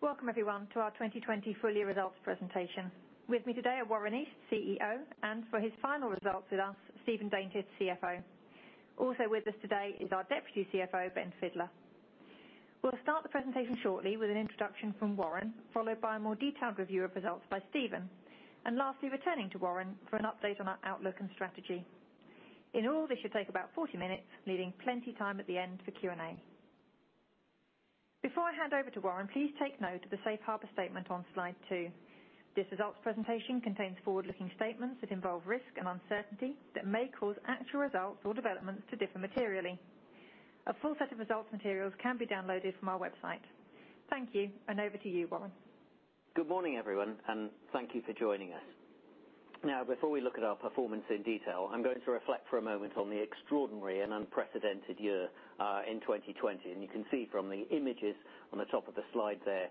Welcome everyone to our 2020 full year results presentation. With me today are Warren East, CEO, and for his final results with us, Stephen Daintith, CFO. Also with us today is our Deputy CFO, Ben Fidler. We'll start the presentation shortly with an introduction from Warren, followed by a more detailed review of results by Stephen. Lastly, returning to Warren for an update on our outlook and strategy. In all, this should take about 40 minutes, leaving plenty time at the end for Q&A. Before I hand over to Warren, please take note of the safe harbor statement on slide two. This results presentation contains forward-looking statements that involve risk and uncertainty that may cause actual results or developments to differ materially. A full set of results materials can be downloaded from our website. Thank you, over to you, Warren. Good morning, everyone, and thank you for joining us. Now, before we look at our performance in detail, I'm going to reflect for a moment on the extraordinary and unprecedented year in 2020. You can see from the images on the top of the slide there,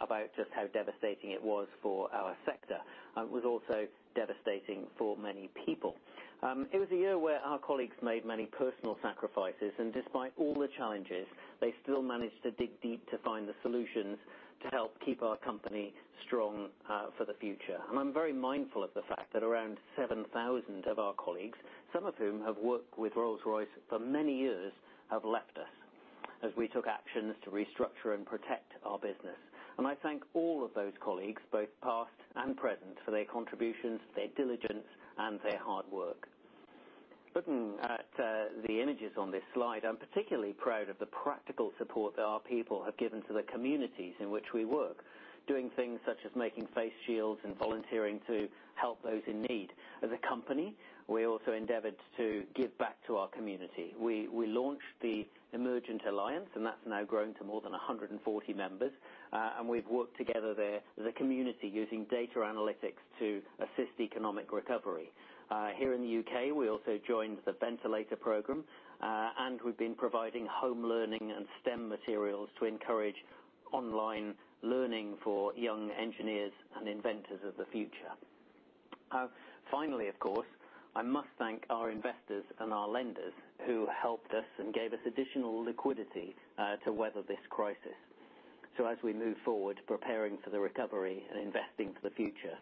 about just how devastating it was for our sector. It was also devastating for many people. It was a year where our colleagues made many personal sacrifices, and despite all the challenges, they still managed to dig deep to find the solutions to help keep our company strong for the future. I'm very mindful of the fact that around 7,000 of our colleagues, some of whom have worked with Rolls-Royce for many years, have left us as we took actions to restructure and protect our business. I thank all of those colleagues, both past and present, for their contributions, their diligence, and their hard work. Looking at the images on this slide, I'm particularly proud of the practical support that our people have given to the communities in which we work. Doing things such as making face shields and volunteering to help those in need. As a company, we also endeavored to give back to our community. We launched the Emergent Alliance, that's now grown to more than 140 members. We've worked together there as a community using data analytics to assist economic recovery. Here in the U.K., we also joined the ventilator program, we've been providing home learning and STEM materials to encourage online learning for young engineers and inventors of the future. Finally, of course, I must thank our investors and our lenders who helped us and gave us additional liquidity to weather this crisis. As we move forward, preparing for the recovery and investing for the future,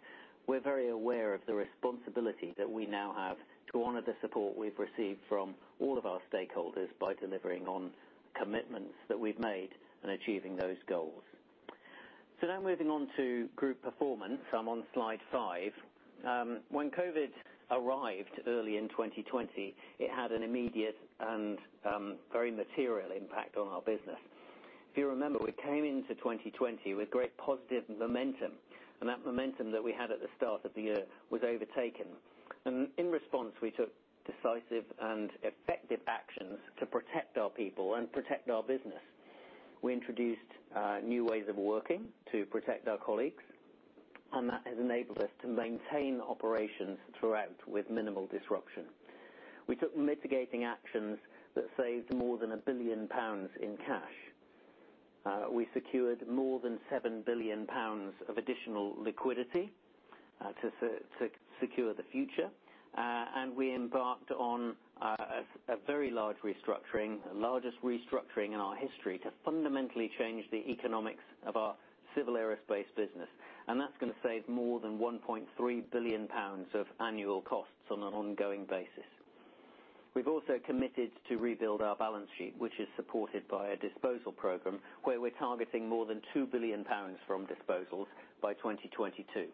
we're very aware of the responsibility that we now have to honor the support we've received from all of our stakeholders by delivering on commitments that we've made and achieving those goals. Now moving on to group performance. I'm on slide five. When COVID arrived early in 2020, it had an immediate and very material impact on our business. If you remember, we came into 2020 with great positive momentum, and that momentum that we had at the start of the year was overtaken. In response, we took decisive and effective actions to protect our people and protect our business. We introduced new ways of working to protect our colleagues, and that has enabled us to maintain operations throughout with minimal disruption. We took mitigating actions that saved more than 1 billion pounds in cash. We secured more than 7 billion pounds of additional liquidity to secure the future. We embarked on a very large restructuring, the largest restructuring in our history, to fundamentally change the economics of our Civil Aerospace business. That's going to save more than 1.3 billion pounds of annual costs on an ongoing basis. We've also committed to rebuild our balance sheet, which is supported by a disposal program where we're targeting more than 2 billion pounds from disposals by 2022.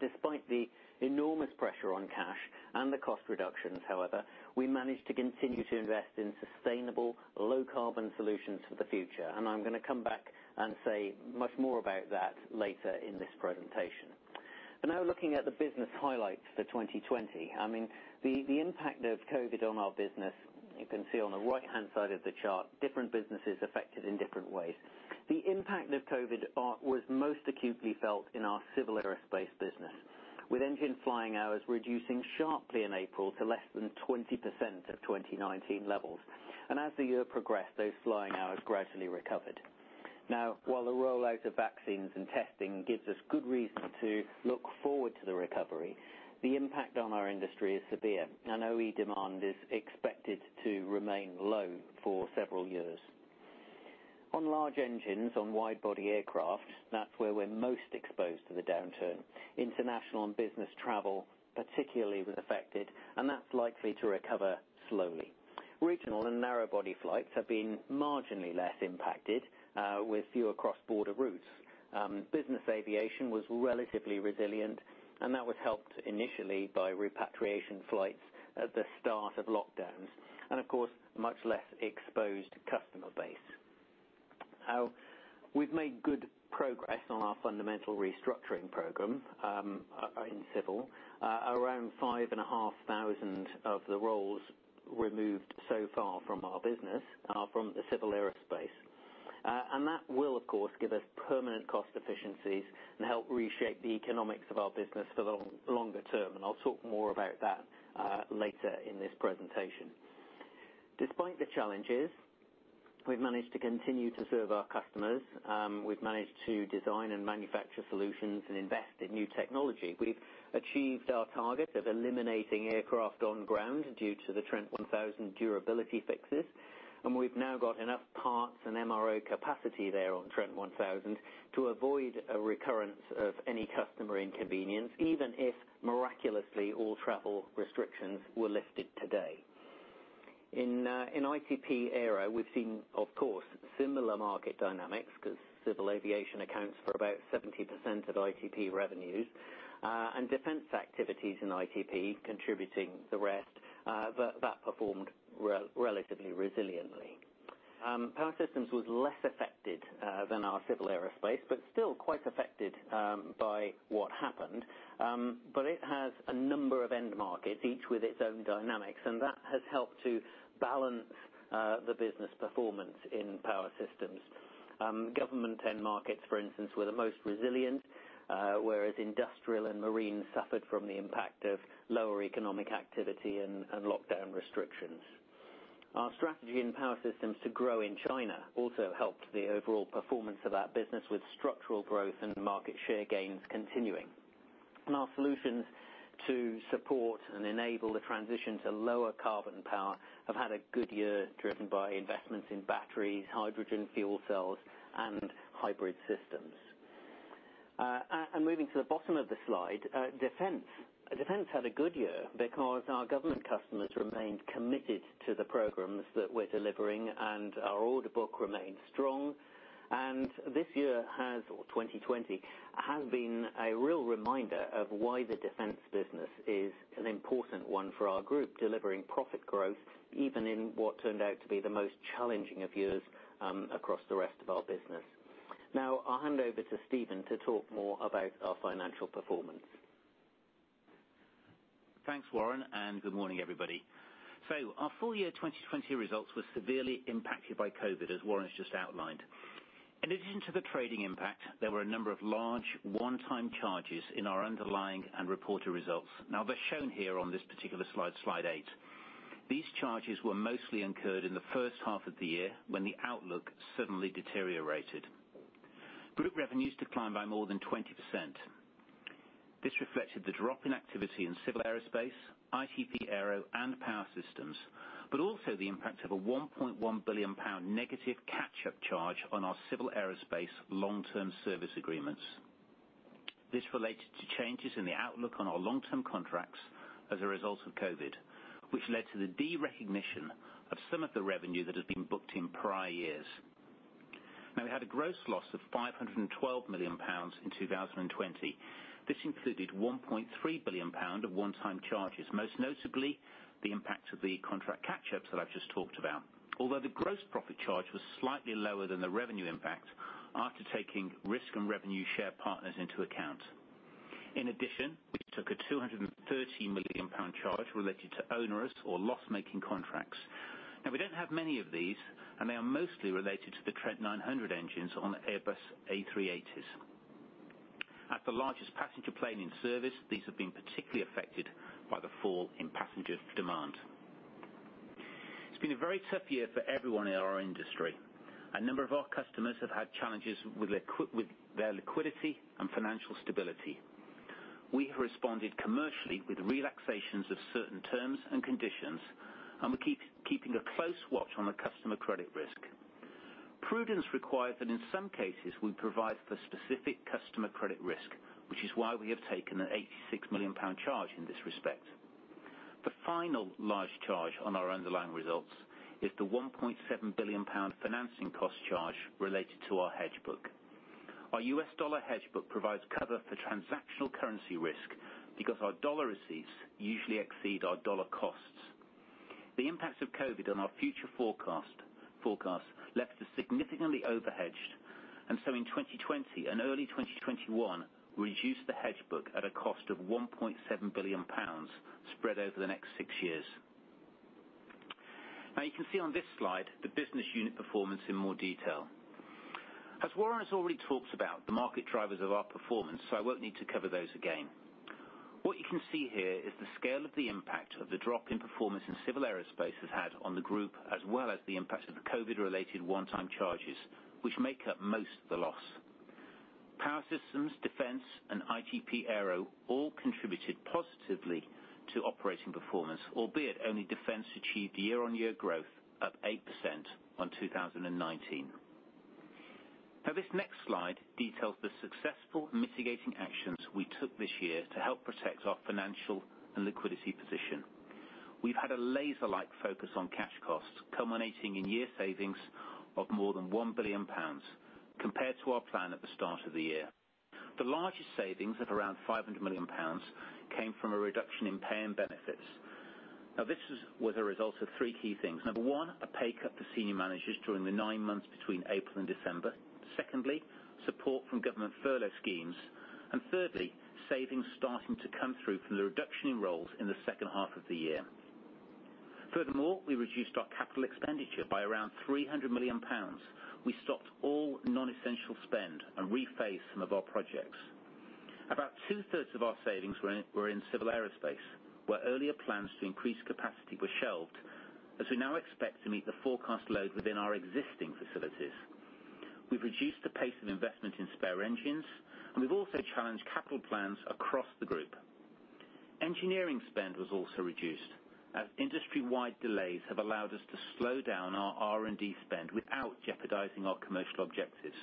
Despite the enormous pressure on cash and the cost reductions, however, we managed to continue to invest in sustainable low-carbon solutions for the future. I'm going to come back and say much more about that later in this presentation. Looking at the business highlights for 2020. The impact of COVID on our business, you can see on the right-hand side of the chart, different businesses affected in different ways. The impact of COVID was most acutely felt in our Civil Aerospace business, with engine flying hours reducing sharply in April to less than 20% of 2019 levels. As the year progressed, those flying hours gradually recovered. While the rollout of vaccines and testing gives us good reason to look forward to the recovery, the impact on our industry is severe, and OE demand is expected to remain low for several years. Large engines, on wide-body aircraft, that's where we're most exposed to the downturn. International and business travel particularly was affected, and that's likely to recover slowly. Regional and narrow-body flights have been marginally less impacted, with fewer cross-border routes. Business aviation was relatively resilient, and that was helped initially by repatriation flights at the start of lockdowns. Of course, much less exposed customer base. We've made good progress on our fundamental restructuring program, in Civil. Around 5,500 of the roles removed so far from our business are from the Civil Aerospace. That will, of course, give us permanent cost efficiencies and help reshape the economics of our business for the longer term. I'll talk more about that later in this presentation. Despite the challenges, we've managed to continue to serve our customers. We've managed to design and manufacture solutions and invest in new technology. We've achieved our target of eliminating aircraft on ground due to the Trent 1000 durability fixes. We've now got enough parts and MRO capacity there on Trent 1000 to avoid a recurrence of any customer inconvenience, even if miraculously all travel restrictions were lifted today. In ITP Aero, we've seen, of course, similar market dynamics, because Civil Aviation accounts for about 70% of ITP revenues, and defence activities in ITP contributing the rest, that performed relatively resiliently. Power Systems was less affected than our Civil Aerospace, but still quite affected by what happened. It has a number of end markets, each with its own dynamics, and that has helped to balance the business performance in Power Systems. Government end markets, for instance, were the most resilient, whereas industrial and marine suffered from the impact of lower economic activity and lockdown restrictions. Our strategy in Power Systems to grow in China also helped the overall performance of that business, with structural growth and market share gains continuing. Our solutions to support and enable the transition to lower carbon power have had a good year, driven by investments in batteries, hydrogen fuel cells, and hybrid systems. Moving to the bottom of the slide, Defence. Defence had a good year because our government customers remained committed to the programs that we're delivering, and our order book remained strong. This year, or 2020, has been a real reminder of why the Defence business is an important one for our group, delivering profit growth even in what turned out to be the most challenging of years across the rest of our business. Now, I'll hand over to Stephen to talk more about our financial performance. Thanks, Warren, and good morning, everybody. Our full year 2020 results were severely impacted by COVID, as Warren has just outlined. In addition to the trading impact, there were a number of large one-time charges in our underlying and reported results. Now, they're shown here on this particular slide eight. These charges were mostly incurred in the first half of the year when the outlook suddenly deteriorated. Group revenues declined by more than 20%. This reflected the drop in activity in Civil Aerospace, ITP Aero, and Power Systems, but also the impact of a 1.1 billion pound negative catch-up charge on our Civil Aerospace long-term service agreements. This related to changes in the outlook on our long-term contracts as a result of COVID, which led to the derecognition of some of the revenue that had been booked in prior years. We had a gross loss of 512 million pounds in 2020. This included 1.3 billion pound of one-time charges, most notably the impact of the contract catch-ups that I've just talked about. Although the gross profit charge was slightly lower than the revenue impact after taking risk and revenue share partners into account. In addition, we took a 230 million pound charge related to onerous or loss-making contracts. We don't have many of these, and they are mostly related to the Trent 900 engines on Airbus A380s. As the largest passenger plane in service, these have been particularly affected by the fall in passenger demand. It's been a very tough year for everyone in our industry. A number of our customers have had challenges with their liquidity and financial stability. We have responded commercially with relaxations of certain terms and conditions, and we're keeping a close watch on the customer credit risk. Prudence requires that in some cases we provide for specific customer credit risk, which is why we have taken an 86 million pound charge in this respect. The final large charge on our underlying results is the 1.7 billion pound financing cost charge related to our hedge book. Our U.S. dollar hedge book provides cover for transactional currency risk because our dollar receipts usually exceed our dollar costs. The impacts of COVID on our future forecasts left us significantly overhedged, and so in 2020 and early 2021, we reduced the hedge book at a cost of 1.7 billion pounds, spread over the next six years. Now, you can see on this slide the business unit performance in more detail. Warren has already talked about the market drivers of our performance, so I won't need to cover those again. What you can see here is the scale of the impact of the drop in performance in Civil Aerospace has had on the group, as well as the impact of the COVID-related one-time charges, which make up most of the loss. Power Systems, Defence, and ITP Aero all contributed positively to operating performance, albeit only Defence achieved year-on-year growth, up 8% on 2019. This next slide details the successful mitigating actions we took this year to help protect our financial and liquidity position. We've had a laser-like focus on cash costs, culminating in year savings of more than 1 billion pounds compared to our plan at the start of the year. The largest savings of around 500 million pounds came from a reduction in pay and benefits. This was a result of three key things. Number one, a pay cut for senior managers during the nine months between April and December. Secondly, support from government furlough schemes. Thirdly, savings starting to come through from the reduction in roles in the second half of the year. We reduced our capital expenditure by around 300 million pounds. We stopped all non-essential spend and rephased some of our projects. About 2/3 of our savings were in Civil Aerospace, where earlier plans to increase capacity were shelved, as we now expect to meet the forecast load within our existing facilities. We've reduced the pace of investment in spare engines, and we've also challenged capital plans across the group. Engineering spend was also reduced, as industry-wide delays have allowed us to slow down our R&D spend without jeopardizing our commercial objectives.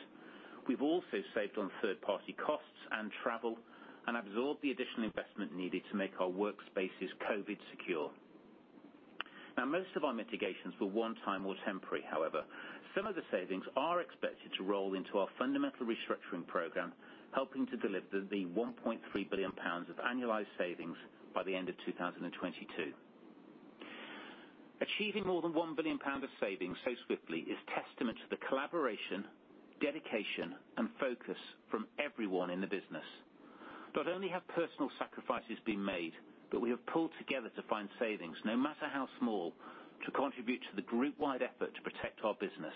We've also saved on third-party costs and travel, and absorbed the additional investment needed to make our workspaces COVID secure. Most of our mitigations were one-time or temporary. Some of the savings are expected to roll into our fundamental restructuring program, helping to deliver the 1.3 billion pounds of annualized savings by the end of 2022. Achieving more than 1 billion pound of savings so swiftly is testament to the collaboration, dedication, and focus from everyone in the business. Not only have personal sacrifices been made, but we have pulled together to find savings, no matter how small, to contribute to the groupwide effort to protect our business.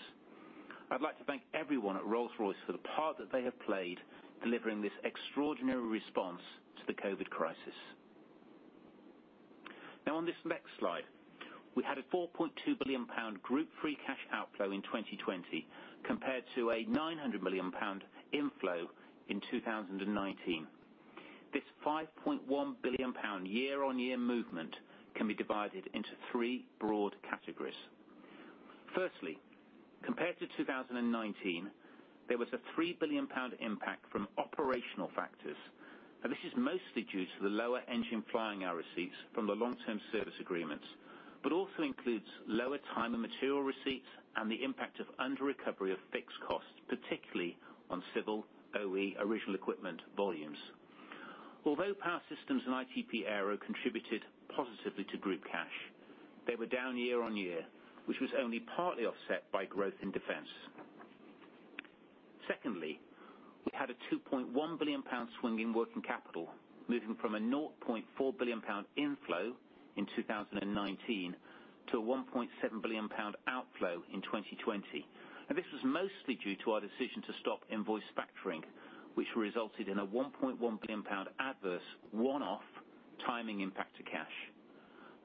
I'd like to thank everyone at Rolls-Royce for the part that they have played delivering this extraordinary response to the COVID crisis. On this next slide, we had a 4.2 billion pound group free cash outflow in 2020, compared to a 900 million pound inflow in 2019. This 5.1 billion pound year-on-year movement can be divided into three broad categories. Firstly, compared to 2019, there was a 3 billion pound impact from operational factors, and this is mostly due to the lower engine flying hour receipts from the long-term service agreements, but also includes lower time and materials receipts and the impact of under-recovery of fixed costs, particularly on Civil OE original equipment volumes. Although Power Systems and ITP Aero contributed positively to group cash, they were down year-on-year, which was only partly offset by growth in Defence. Secondly, we had a 2.1 billion pound swing in working capital, moving from a 0.4 billion pound inflow in 2019 to a 1.7 billion pound outflow in 2020. This was mostly due to our decision to stop invoice factoring, which resulted in a 1.1 billion pound adverse one-off timing impact to cash.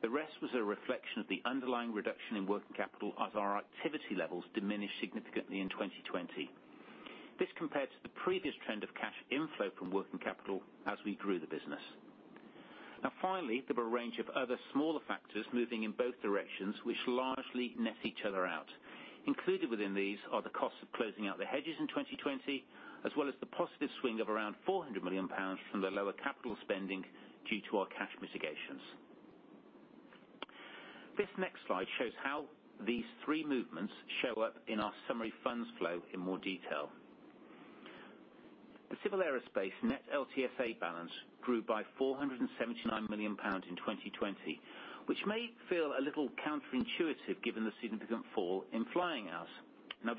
The rest was a reflection of the underlying reduction in working capital as our activity levels diminished significantly in 2020. This compared to the previous trend of cash inflow from working capital as we grew the business. Finally, there were a range of other smaller factors moving in both directions, which largely net each other out. Included within these are the cost of closing out the hedges in 2020, as well as the positive swing of around 400 million pounds from the lower capital spending due to our cash mitigations. This next slide shows how these three movements show up in our summary funds flow in more detail. The Civil Aerospace net LTSA balance grew by 479 million pounds in 2020, which may feel a little counterintuitive given the significant fall in flying hours.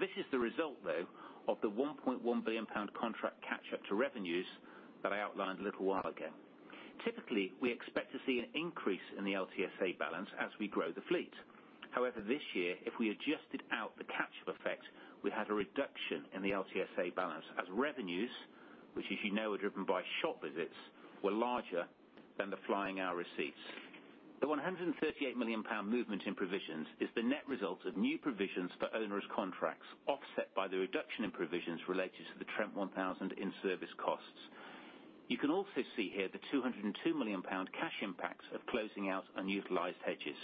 This is the result, though, of the 1.1 billion pound contract catch-up to revenues that I outlined a little while ago. Typically, we expect to see an increase in the LTSA balance as we grow the fleet. However, this year, if we adjusted out the catch-up effect, we had a reduction in the LTSA balance as revenues, which as you know, are driven by shop visits, were larger than the flying hour receipts. The 138 million pound movement in provisions is the net result of new provisions for onerous contracts offset by the reduction in provisions related to the Trent 1000 in-service costs. You can also see here the 202 million pound cash impacts of closing out unutilized hedges.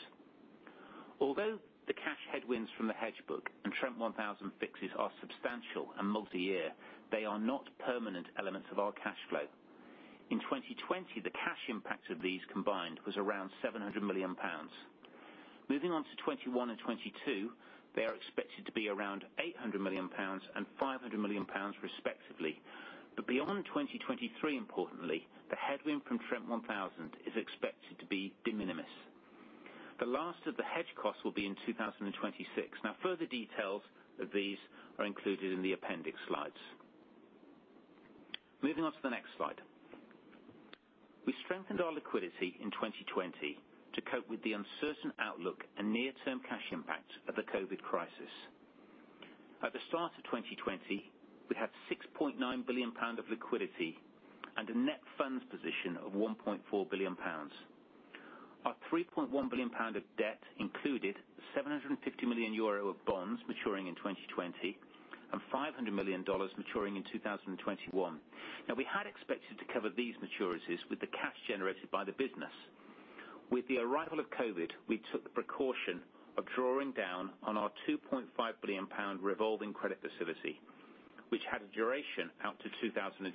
Although the cash headwinds from the hedge book and Trent 1000 fixes are substantial and multi-year, they are not permanent elements of our cash flow. In 2020, the cash impact of these combined was around 700 million pounds. Moving on to 2021 and 2022, they are expected to be around 800 million pounds and 500 million pounds respectively. Beyond 2023, importantly, the headwind from Trent 1000 is expected to be de minimis. The last of the hedge costs will be in 2026. Further details of these are included in the appendix slides. Moving on to the next slide. We strengthened our liquidity in 2020 to cope with the uncertain outlook and near-term cash impact of the COVID crisis. At the start of 2020, we had 6.9 billion pound of liquidity and a net funds position of 1.4 billion pounds. Our 3.1 billion pound of debt included 750 million euro of bonds maturing in 2020 and $500 million maturing in 2021. We had expected to cover these maturities with the cash generated by the business. With the arrival of COVID, we took the precaution of drawing down on our 2.5 billion pound revolving credit facility, which had a duration out to 2024.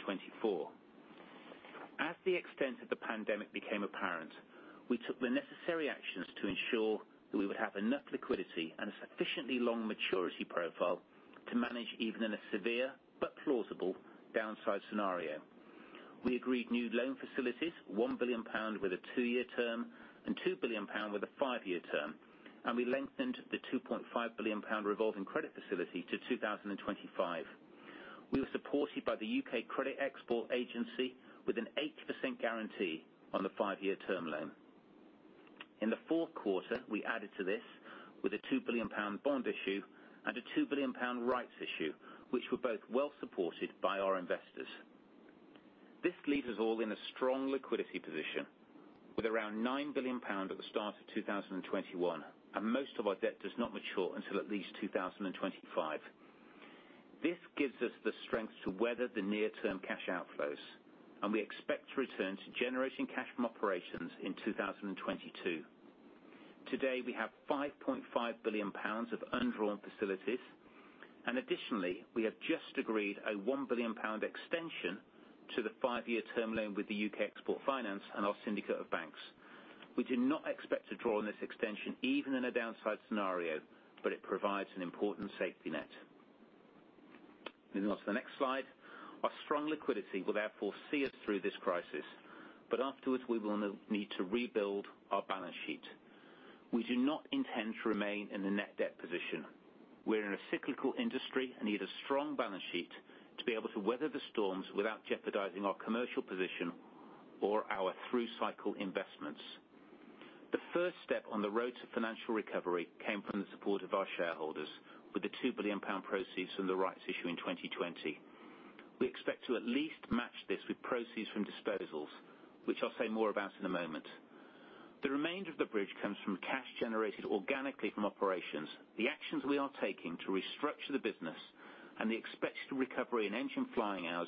As the extent of the pandemic became apparent, we took the necessary actions to ensure that we would have enough liquidity and a sufficiently long maturity profile to manage even in a severe but plausible downside scenario. We agreed new loan facilities, 1 billion pound with a two-year term and 2 billion pound with a five-year term, and we lengthened the 2.5 billion pound revolving credit facility to 2025. We were supported by the U.K. Credit Export Finance with an 80% guarantee on the five-year term loan. In the fourth quarter, we added to this with a 2 billion pound bond issue and a 2 billion pound rights issue, which were both well supported by our investors. This leaves us all in a strong liquidity position with around 9 billion pound at the start of 2021, and most of our debt does not mature until at least 2025. This gives us the strength to weather the near-term cash outflows, and we expect to return to generating cash from operations in 2022. Today, we have 5.5 billion pounds of undrawn facilities, and additionally, we have just agreed a 1 billion pound extension to the five-year term loan with the U.K. Export Finance and our syndicate of banks. We do not expect to draw on this extension, even in a downside scenario, but it provides an important safety net. Moving on to the next slide. Our strong liquidity will therefore see us through this crisis, but afterwards, we will need to rebuild our balance sheet. We do not intend to remain in a net debt position. We are in a cyclical industry and need a strong balance sheet to be able to weather the storms without jeopardizing our commercial position or our through-cycle investments. The first step on the road to financial recovery came from the support of our shareholders, with the 2 billion pound proceeds from the rights issue in 2020. We expect to at least match this with proceeds from disposals, which I'll say more about in a moment. The remainder of the bridge comes from cash generated organically from operations. The actions we are taking to restructure the business and the expected recovery in engine flying hours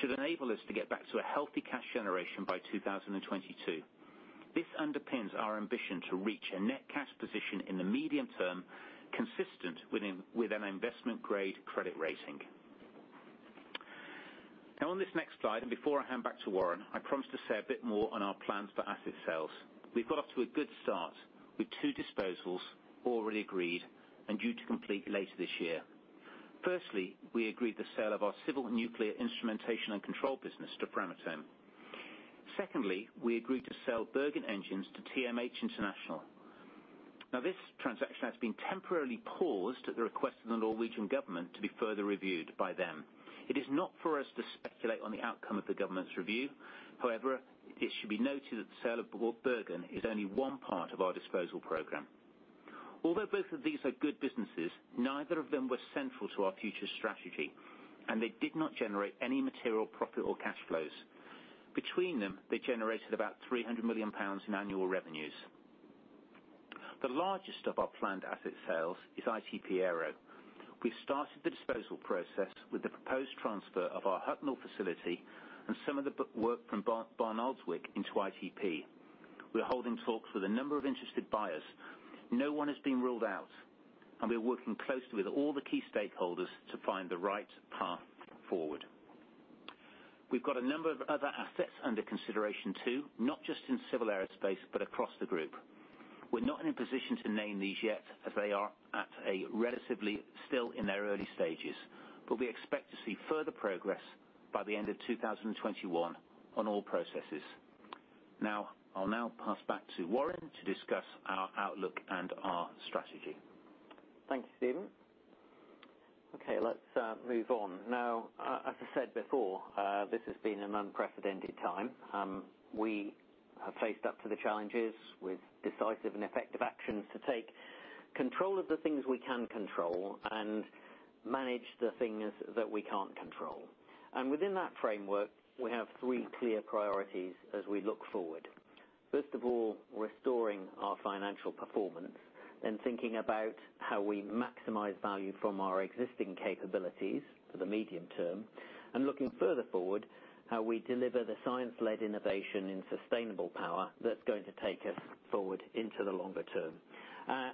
should enable us to get back to a healthy cash generation by 2022. This underpins our ambition to reach a net cash position in the medium term, consistent with an investment-grade credit rating. On this next slide, and before I hand back to Warren, I promised to say a bit more on our plans for asset sales. We've got off to a good start with two disposals already agreed and due to complete later this year. Firstly, we agreed the sale of our Civil Nuclear instrumentation and control business to Framatome. Secondly, we agreed to sell Bergen Engines to TMH International. This transaction has been temporarily paused at the request of the Norwegian government to be further reviewed by them. It is not for us to speculate on the outcome of the government's review. However, it should be noted that the sale of Bergen is only one part of our disposal program. Although both of these are good businesses, neither of them were central to our future strategy, and they did not generate any material profit or cash flows. Between them, they generated about 300 million pounds in annual revenues. The largest of our planned asset sales is ITP Aero. We've started the disposal process with the proposed transfer of our Hucknall facility and some of the work from Barnoldswick into ITP. We are holding talks with a number of interested buyers. No one has been ruled out, and we are working closely with all the key stakeholders to find the right path forward. We've got a number of other assets under consideration, too, not just in Civil Aerospace, but across the group. We're not in a position to name these yet as they are at a relatively still in their early stages, but we expect to see further progress by the end of 2021 on all processes. I'll now pass back to Warren to discuss our outlook and our strategy. Thank you, Stephen. Let's move on. As I said before, this has been an unprecedented time. We have faced up to the challenges with decisive and effective actions to take control of the things we can control and manage the things that we can't control. Within that framework, we have three clear priorities as we look forward. First of all, restoring our financial performance, then thinking about how we maximize value from our existing capabilities for the medium term, and looking further forward, how we deliver the science-led innovation in sustainable power that's going to take us forward into the longer term.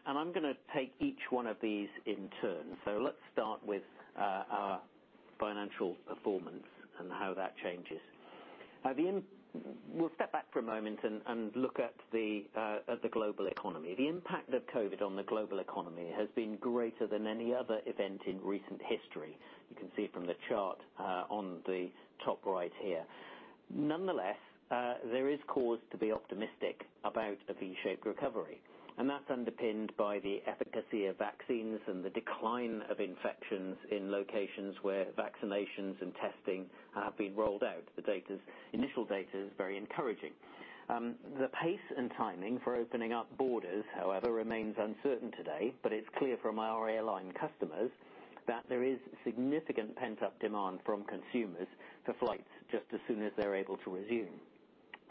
I'm going to take each one of these in turn. Let's start with our financial performance and how that changes. We'll step back for a moment and look at the global economy. The impact of COVID on the global economy has been greater than any other event in recent history. You can see from the chart on the top right here. Nonetheless, there is cause to be optimistic about a V-shaped recovery, and that's underpinned by the efficacy of vaccines and the decline of infections in locations where vaccinations and testing have been rolled out. The initial data is very encouraging. The pace and timing for opening up borders, however, remains uncertain today, but it's clear from our airline customers that there is significant pent-up demand from consumers for flights just as soon as they're able to resume.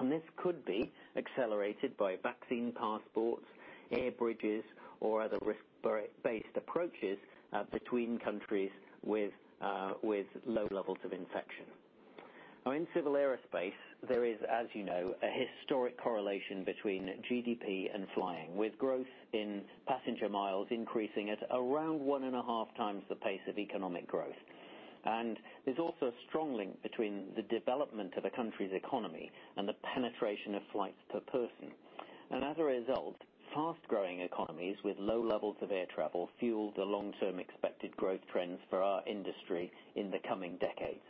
This could be accelerated by vaccine passports, air bridges, or other risk-based approaches between countries with low levels of infection. Now, in Civil Aerospace, there is, as you know, a historic correlation between GDP and flying, with growth in passenger miles increasing at around 1.5x the pace of economic growth. There's also a strong link between the development of a country's economy and the penetration of flights per person. As a result, fast-growing economies with low levels of air travel fuel the long-term expected growth trends for our industry in the coming decades.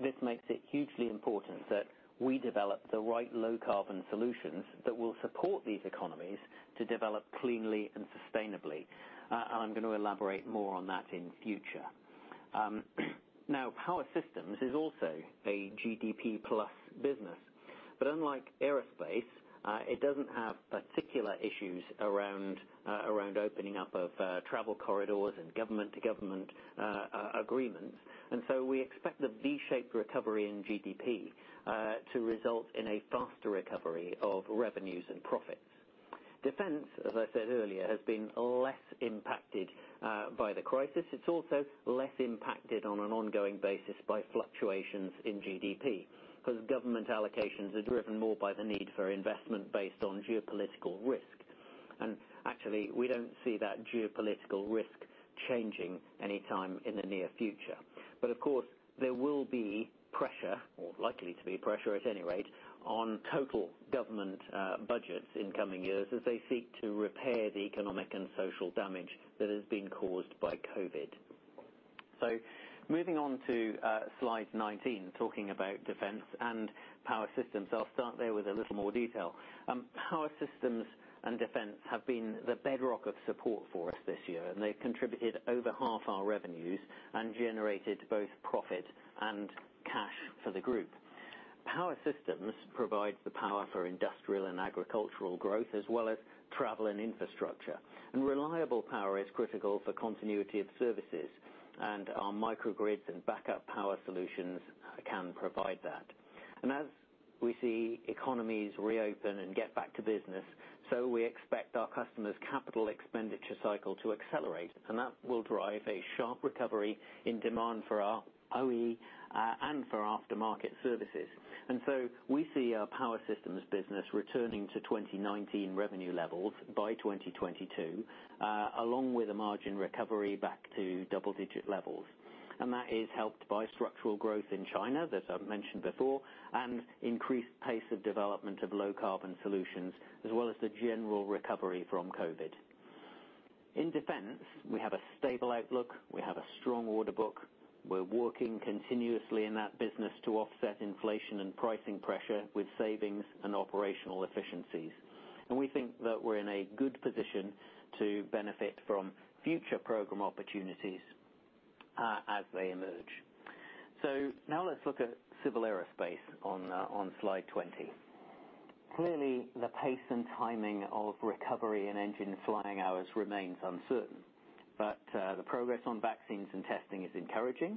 This makes it hugely important that we develop the right low-carbon solutions that will support these economies to develop cleanly and sustainably. I'm going to elaborate more on that in the future. Now, Power Systems is also a GDP plus business. Unlike aerospace, it doesn't have particular issues around opening up of travel corridors and government-to-government agreements, we expect the V-shaped recovery in GDP to result in a faster recovery of revenues and profits. Defence, as I said earlier, has been less impacted by the crisis. It's also less impacted on an ongoing basis by fluctuations in GDP, because government allocations are driven more by the need for investment based on geopolitical risk. Actually, we don't see that geopolitical risk changing anytime in the near future. Of course, there will be pressure, or likely to be pressure at any rate, on total government budgets in coming years as they seek to repair the economic and social damage that has been caused by COVID. Moving on to slide 19, talking about Defence and Power Systems. I'll start there with a little more detail. Power Systems and Defence have been the bedrock of support for us this year, and they contributed over half our revenues and generated both profit and cash for the group. Power Systems provide the power for industrial and agricultural growth, as well as travel and infrastructure. Reliable power is critical for continuity of services, and our microgrids and backup power solutions can provide that. As we see economies reopen and get back to business, so we expect our customers' capital expenditure cycle to accelerate, and that will drive a sharp recovery in demand for our OE and for aftermarket services. We see our Power Systems business returning to 2019 revenue levels by 2022, along with a margin recovery back to double-digit levels. That is helped by structural growth in China, as I've mentioned before, and increased pace of development of low carbon solutions, as well as the general recovery from COVID. In Defence, we have a stable outlook. We have a strong order book. We're working continuously in that business to offset inflation and pricing pressure with savings and operational efficiencies. We think that we're in a good position to benefit from future program opportunities as they emerge. Now let's look at Civil Aerospace on slide 20. Clearly, the pace and timing of recovery in engine flying hours remains uncertain, but the progress on vaccines and testing is encouraging.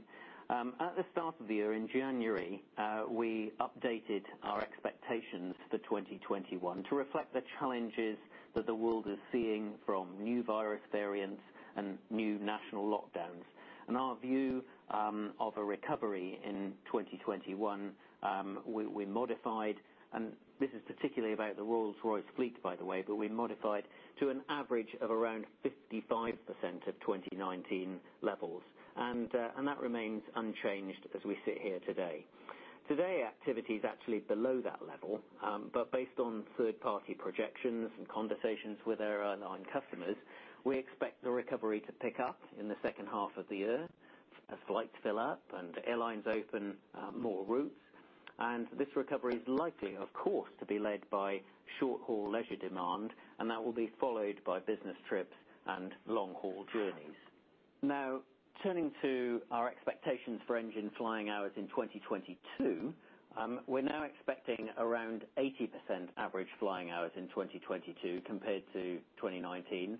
At the start of the year, in January, we updated our expectations for 2021 to reflect the challenges that the world is seeing from new virus variants and new national lockdowns. Our view of a recovery in 2021, we modified, and this is particularly about the Rolls-Royce fleet, by the way, but we modified to an average of around 55% of 2019 levels. That remains unchanged as we sit here today. Today, activity is actually below that level, but based on third-party projections and conversations with our airline customers, we expect the recovery to pick up in the second half of the year as flights fill up and airlines open more routes. This recovery is likely, of course, to be led by short-haul leisure demand, and that will be followed by business trips and long-haul journeys. Now, turning to our expectations for engine flying hours in 2022. We're now expecting around 80% average flying hours in 2022 compared to 2019.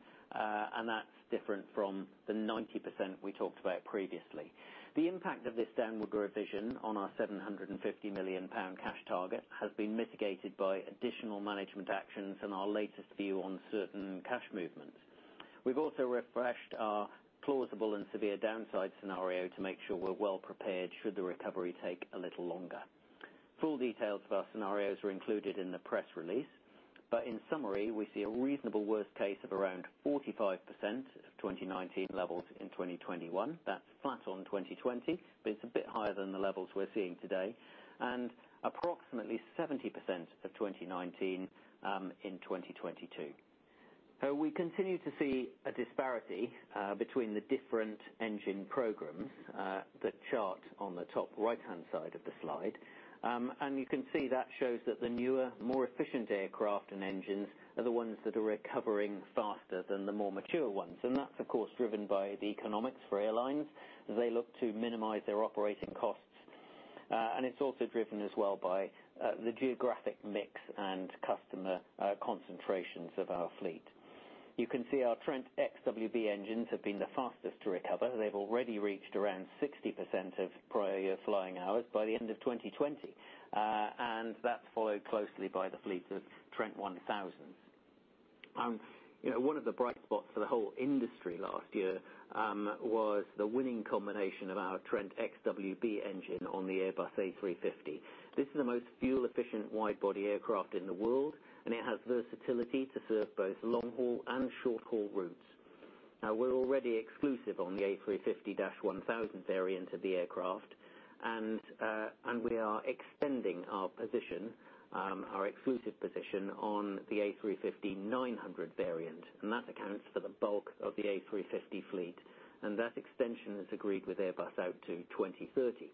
That's different from the 90% we talked about previously. The impact of this downward revision on our 750 million pound cash target has been mitigated by additional management actions and our latest view on certain cash movements. We've also refreshed our plausible and severe downside scenario to make sure we're well prepared should the recovery take a little longer. Full details of our scenarios are included in the press release, in summary, we see a reasonable worst case of around 45% of 2019 levels in 2021. That's flat on 2020, but it's a bit higher than the levels we're seeing today. Approximately 70% of 2019 in 2022. We continue to see a disparity between the different engine programs, the chart on the top right-hand side of the slide. You can see that shows that the newer, more efficient aircraft and engines are the ones that are recovering faster than the more mature ones. That's, of course, driven by the economics for airlines as they look to minimize their operating costs. It's also driven as well by the geographic mix and customer concentrations of our fleet. You can see our Trent XWB engines have been the fastest to recover. They've already reached around 60% of prior year flying hours by the end of 2020, and that's followed closely by the fleet of Trent 1000. One of the bright spots for the whole industry last year was the winning combination of our Trent XWB engine on the Airbus A350. This is the most fuel-efficient wide-body aircraft in the world, and it has versatility to serve both long-haul and short-haul routes. We're already exclusive on the A350-1000 variant of the aircraft. We are extending our position, our exclusive position on the A350-900 variant. That accounts for the bulk of the A350 fleet. That extension is agreed with Airbus out to 2030.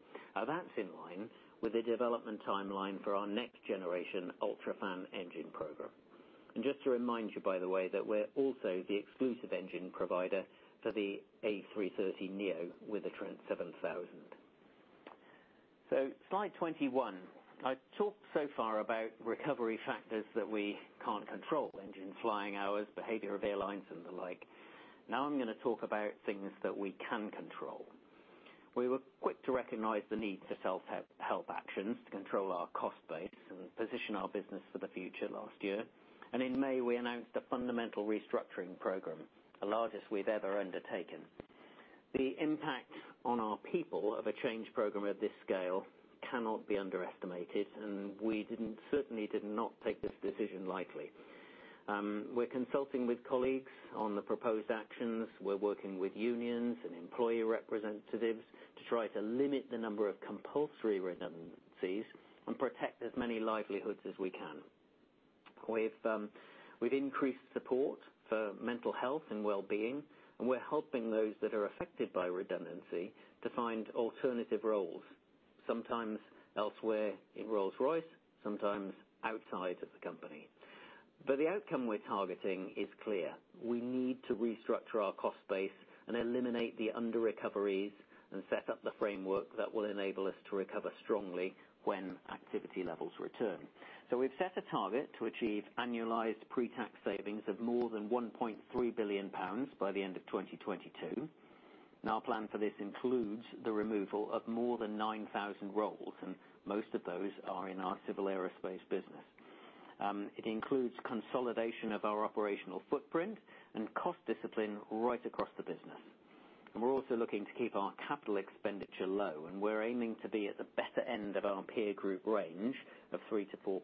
That's in line with the development timeline for our next generation UltraFan engine program. Just to remind you, by the way, that we're also the exclusive engine provider for the A330neo with the Trent 7000. Slide 21. I've talked so far about recovery factors that we can't control, engine flying hours, behavior of airlines and the like. I'm going to talk about things that we can control. We were quick to recognize the need for self-help actions to control our cost base and position our business for the future last year. In May, we announced a fundamental restructuring program, the largest we've ever undertaken. The impact on our people of a change program of this scale cannot be underestimated, and we certainly did not take this decision lightly. We're consulting with colleagues on the proposed actions. We're working with unions and employee representatives to try to limit the number of compulsory redundancies and protect as many livelihoods as we can. We've increased support for mental health and wellbeing, and we're helping those that are affected by redundancy to find alternative roles, sometimes elsewhere in Rolls-Royce, sometimes outside of the company. The outcome we're targeting is clear. We need to restructure our cost base and eliminate the under-recoveries and set up the framework that will enable us to recover strongly when activity levels return. We've set a target to achieve annualized pre-tax savings of more than 1.3 billion pounds by the end of 2022. Now, our plan for this includes the removal of more than 9,000 roles, and most of those are in our Civil Aerospace business. It includes consolidation of our operational footprint and cost discipline right across the business. We're also looking to keep our capital expenditure low, and we're aiming to be at the better end of our peer group range of 3%-4%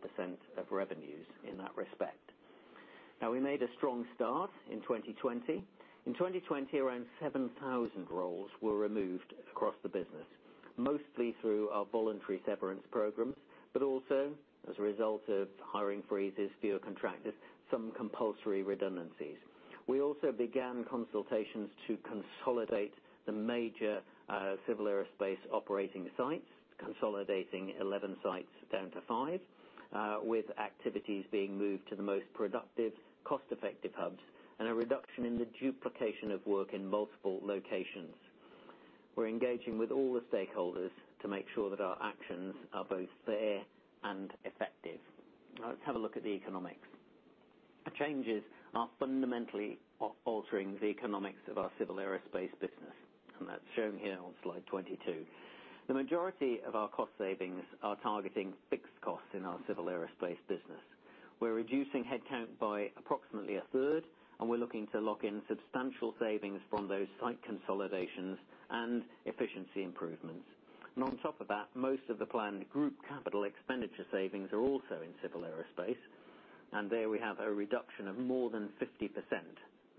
of revenues in that respect. Now, we made a strong start in 2020. In 2020, around 7,000 roles were removed across the business, mostly through our voluntary severance programs, but also as a result of hiring freezes, fewer contractors, some compulsory redundancies. We also began consultations to consolidate the major Civil Aerospace operating sites, consolidating 11 sites down to five, with activities being moved to the most productive, cost-effective hubs, and a reduction in the duplication of work in multiple locations. We're engaging with all the stakeholders to make sure that our actions are both fair and effective. Now let's have a look at the economics. The changes are fundamentally altering the economics of our Civil Aerospace business, and that's shown here on slide 22. The majority of our cost savings are targeting fixed costs in our Civil Aerospace business. We're reducing headcount by approximately a third, and we're looking to lock in substantial savings from those site consolidations and efficiency improvements. On top of that, most of the planned group capital expenditure savings are also in Civil Aerospace, and there we have a reduction of more than 50%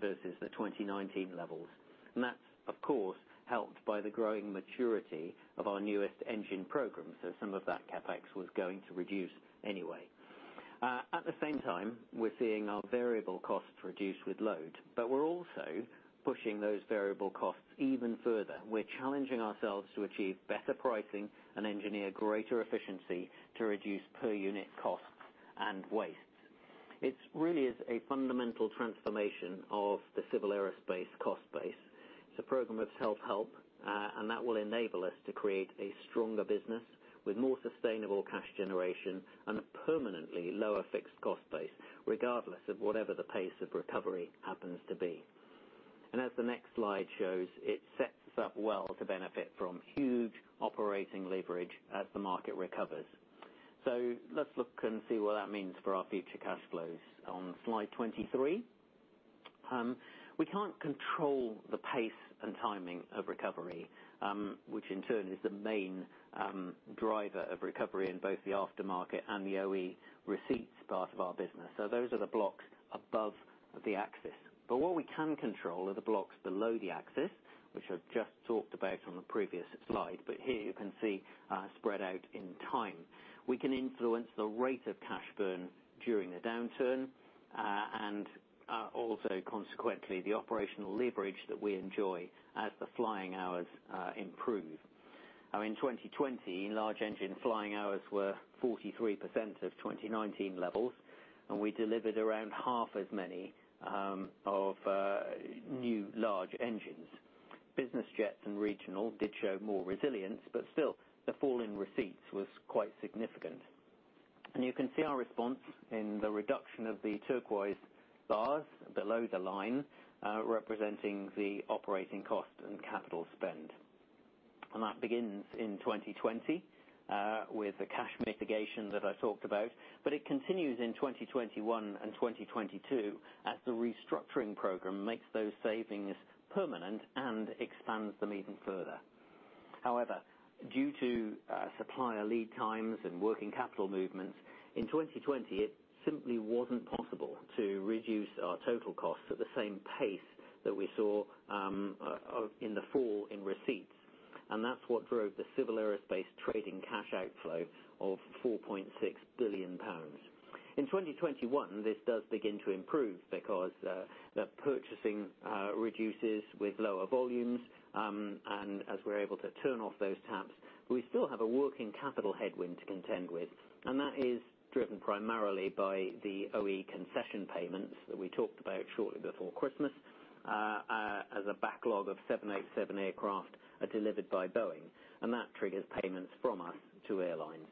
versus the 2019 levels. That's of course, helped by the growing maturity of our newest engine program. Some of that CapEx was going to reduce anyway. At the same time, we're seeing our variable costs reduce with load, but we're also pushing those variable costs even further. We're challenging ourselves to achieve better pricing and engineer greater efficiency to reduce per unit costs and waste. It really is a fundamental transformation of the Civil Aerospace cost base. It's a program of self-help, and that will enable us to create a stronger business with more sustainable cash generation and a permanently lower fixed cost base, regardless of whatever the pace of recovery happens to be. As the next slide shows, it sets up well to benefit from huge operating leverage as the market recovers. Let's look and see what that means for our future cash flows on slide 23. We can't control the pace and timing of recovery, which in turn is the main driver of recovery in both the aftermarket and the OE receipts part of our business. Those are the blocks above the axis. What we can control are the blocks below the axis, which I've just talked about on the previous slide. Here you can see spread out in time. We can influence the rate of cash burn during the downturn, and also consequently, the operational leverage that we enjoy as the flying hours improve. In 2020, large engine flying hours were 43% of 2019 levels, and we delivered around half as many of new large engines. Business jets and regional did show more resilience, but still, the fall in receipts was quite significant. You can see our response in the reduction of the turquoise bars below the line, representing the operating cost and capital spend. That begins in 2020, with the cash mitigation that I talked about, but it continues in 2021 and 2022 as the restructuring program makes those savings permanent and expands them even further. However, due to supplier lead times and working capital movements, in 2020, it simply wasn't possible to reduce our total costs at the same pace that we saw in the fall in receipts. That's what drove the Civil Aerospace trading cash outflow of 4.6 billion pounds. In 2021, this does begin to improve because the purchasing reduces with lower volumes, and as we're able to turn off those taps. We still have a working capital headwind to contend with. That is driven primarily by the OE concession payments that we talked about shortly before Christmas, as a backlog of 787 aircraft are delivered by Boeing, and that triggers payments from us to airlines.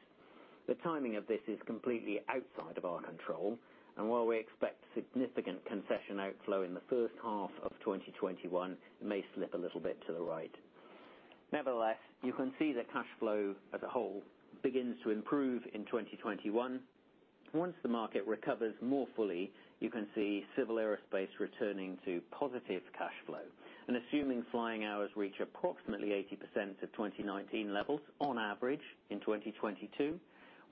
The timing of this is completely outside of our control. While we expect significant concession outflow in the first half of 2021, it may slip a little bit to the right. Nevertheless, you can see the cash flow as a whole begins to improve in 2021. Once the market recovers more fully, you can see Civil Aerospace returning to positive cash flow. Assuming flying hours reach approximately 80% of 2019 levels on average in 2022,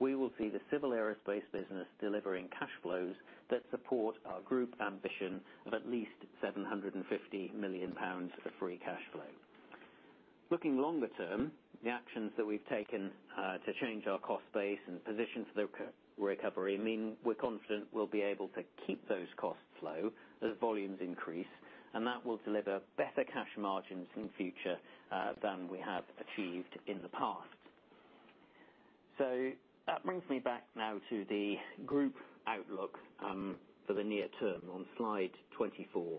we will see the Civil Aerospace business delivering cash flows that support our group ambition of at least 750 million pounds of free cash flow. Looking longer term, the actions that we've taken to change our cost base and position for the recovery mean we're confident we'll be able to keep those costs low as volumes increase, and that will deliver better cash margins in future than we have achieved in the past. That brings me back now to the group outlook for the near term on slide 24.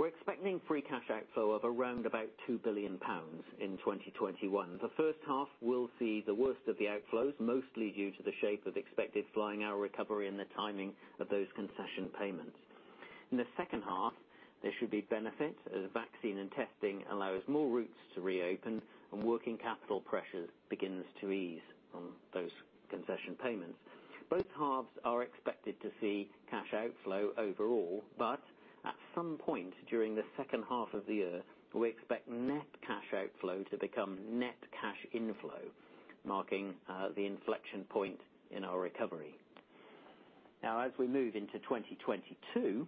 We're expecting free cash outflow of around about 2 billion pounds in 2021. The first half will see the worst of the outflows, mostly due to the shape of expected flying hour recovery and the timing of those concession payments. In the second half, there should be benefit as vaccine and testing allows more routes to reopen and working capital pressures begins to ease from those concession payments. Both halves are expected to see cash outflow overall. At some point during the second half of the year, we expect net cash outflow to become net cash inflow, marking the inflection point in our recovery. As we move into 2022,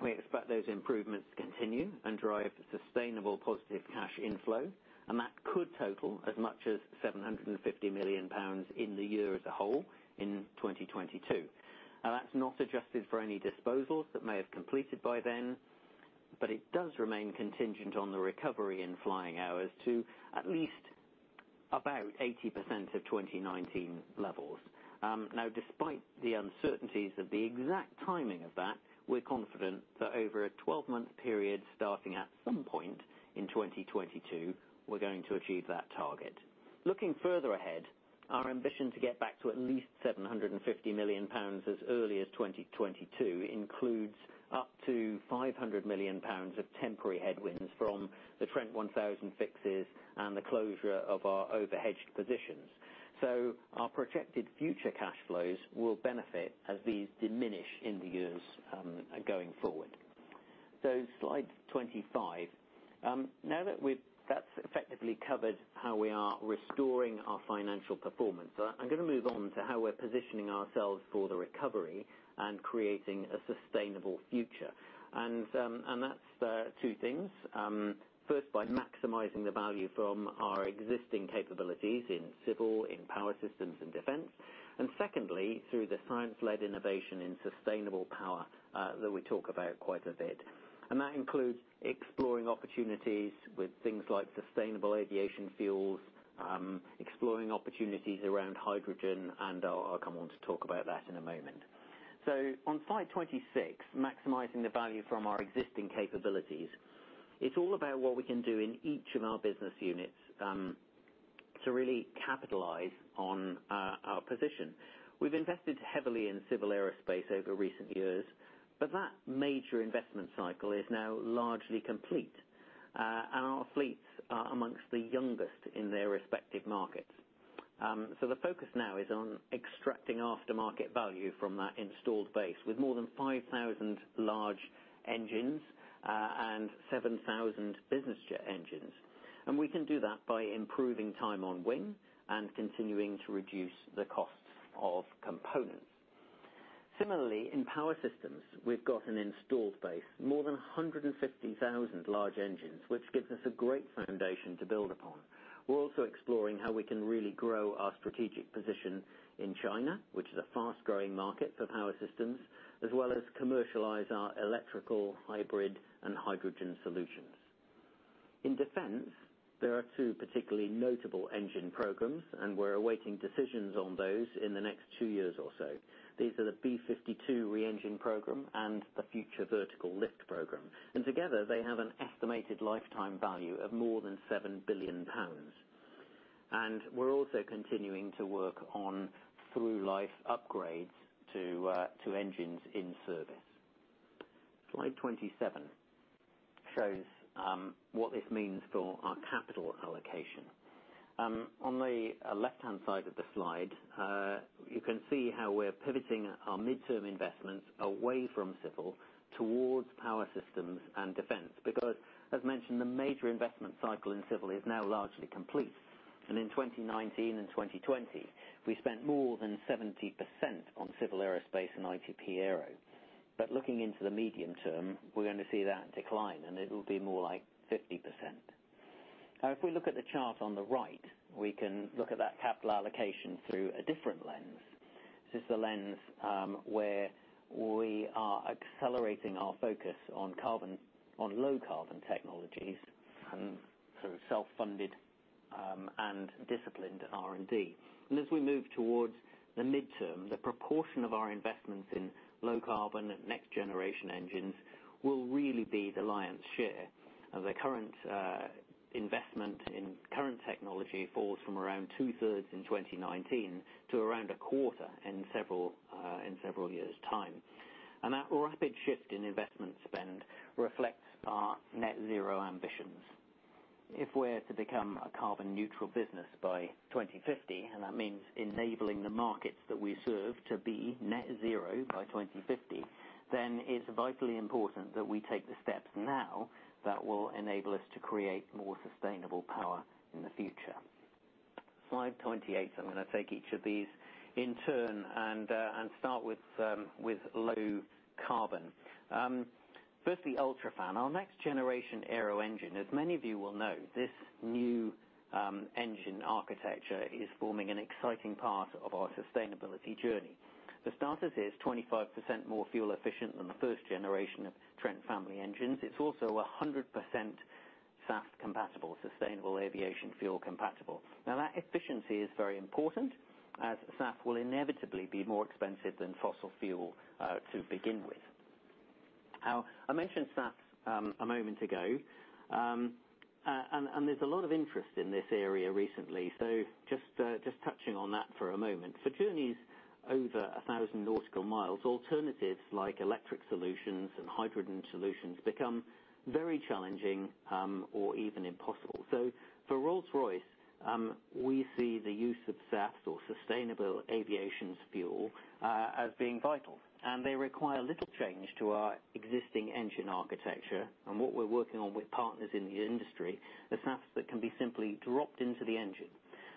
we expect those improvements to continue and drive sustainable positive cash inflow. That could total as much as 750 million pounds in the year as a whole in 2022. That's not adjusted for any disposals that may have completed by then, but it does remain contingent on the recovery in flying hours to at least about 80% of 2019 levels. Despite the uncertainties of the exact timing of that, we're confident that over a 12-month period, starting at some point in 2022, we're going to achieve that target. Looking further ahead, our ambition to get back to at least 750 million pounds as early as 2022 includes up to 500 million pounds of temporary headwinds from the Trent 1000 fixes and the closure of our overhedged positions. Our projected future cash flows will benefit as these diminish in the years going forward. Slide 25. Now that's effectively covered how we are restoring our financial performance, I'm going to move on to how we're positioning ourselves for the recovery and creating a sustainable future. That's two things. First, by maximizing the value from our existing capabilities in Civil, in Power Systems and Defence. Secondly, through the science-led innovation in sustainable power that we talk about quite a bit. That includes exploring opportunities with things like sustainable aviation fuels, exploring opportunities around hydrogen, and I'll come on to talk about that in a moment. On slide 26, maximizing the value from our existing capabilities. It's all about what we can do in each of our business units, to really capitalize on our position. We've invested heavily in Civil Aerospace over recent years, but that major investment cycle is now largely complete. Our fleets are amongst the youngest in their respective markets. The focus now is on extracting aftermarket value from that installed base with more than 5,000 large engines and 7,000 business jet engines. We can do that by improving time on wing and continuing to reduce the costs of components. Similarly, in Power Systems, we've got an installed base of more than 150,000 large engines, which gives us a great foundation to build upon. We're also exploring how we can really grow our strategic position in China, which is a fast-growing market for Power Systems, as well as commercialize our electrical, hybrid, and hydrogen solutions. In Defence, there are two particularly notable engine programs. We're awaiting decisions on those in the next two years or so. These are the B-52 re-engining program and the Future Vertical Lift program. Together, they have an estimated lifetime value of more than 7 billion pounds. We're also continuing to work on through-life upgrades to engines in service. Slide 27 shows what this means for our capital allocation. On the left-hand side of the slide, you can see how we're pivoting our midterm investments away from Civil towards Power Systems and Defence. Because as mentioned, the major investment cycle in Civil is now largely complete. In 2019 and 2020, we spent more than 70% on Civil Aerospace and ITP Aero. Looking into the medium term, we're going to see that decline, and it'll be more like 50%. Now, if we look at the chart on the right, we can look at that capital allocation through a different lens. This is the lens where we are accelerating our focus on low carbon technologies and through self-funded and disciplined R&D. As we move toward the midterm, the proportion of our investments in low carbon and next generation engines will really be the lion's share. The current investment in current technology falls from around two-thirds in 2019 to around a quarter in several years' time. That rapid shift in investment spend reflects our net zero ambitions. If we're to become a carbon neutral business by 2050, and that means enabling the markets that we serve to be net zero by 2050, it's vitally important that we take the steps now that will enable us to create more sustainable power in the future. Slide 28. I'm going to take each of these in turn and start with low carbon. Firstly, UltraFan, our next generation aero engine. As many of you will know, this new engine architecture is forming an exciting part of our sustainability journey. For starters, it is 25% more fuel efficient than the first generation of Trent family engines. It's also 100% SAF compatible, sustainable aviation fuel compatible. That efficiency is very important as SAF will inevitably be more expensive than fossil fuel to begin with. I mentioned SAF a moment ago, and there's a lot of interest in this area recently. Just touching on that for a moment. For journeys over 1,000 nautical miles, alternatives like electric solutions and hydrogen solutions become very challenging, or even impossible. For Rolls-Royce, we see the use of SAF or sustainable aviation fuel, as being vital. They require little change to our existing engine architecture. What we're working on with partners in the industry, are SAFs that can be simply dropped into the engine.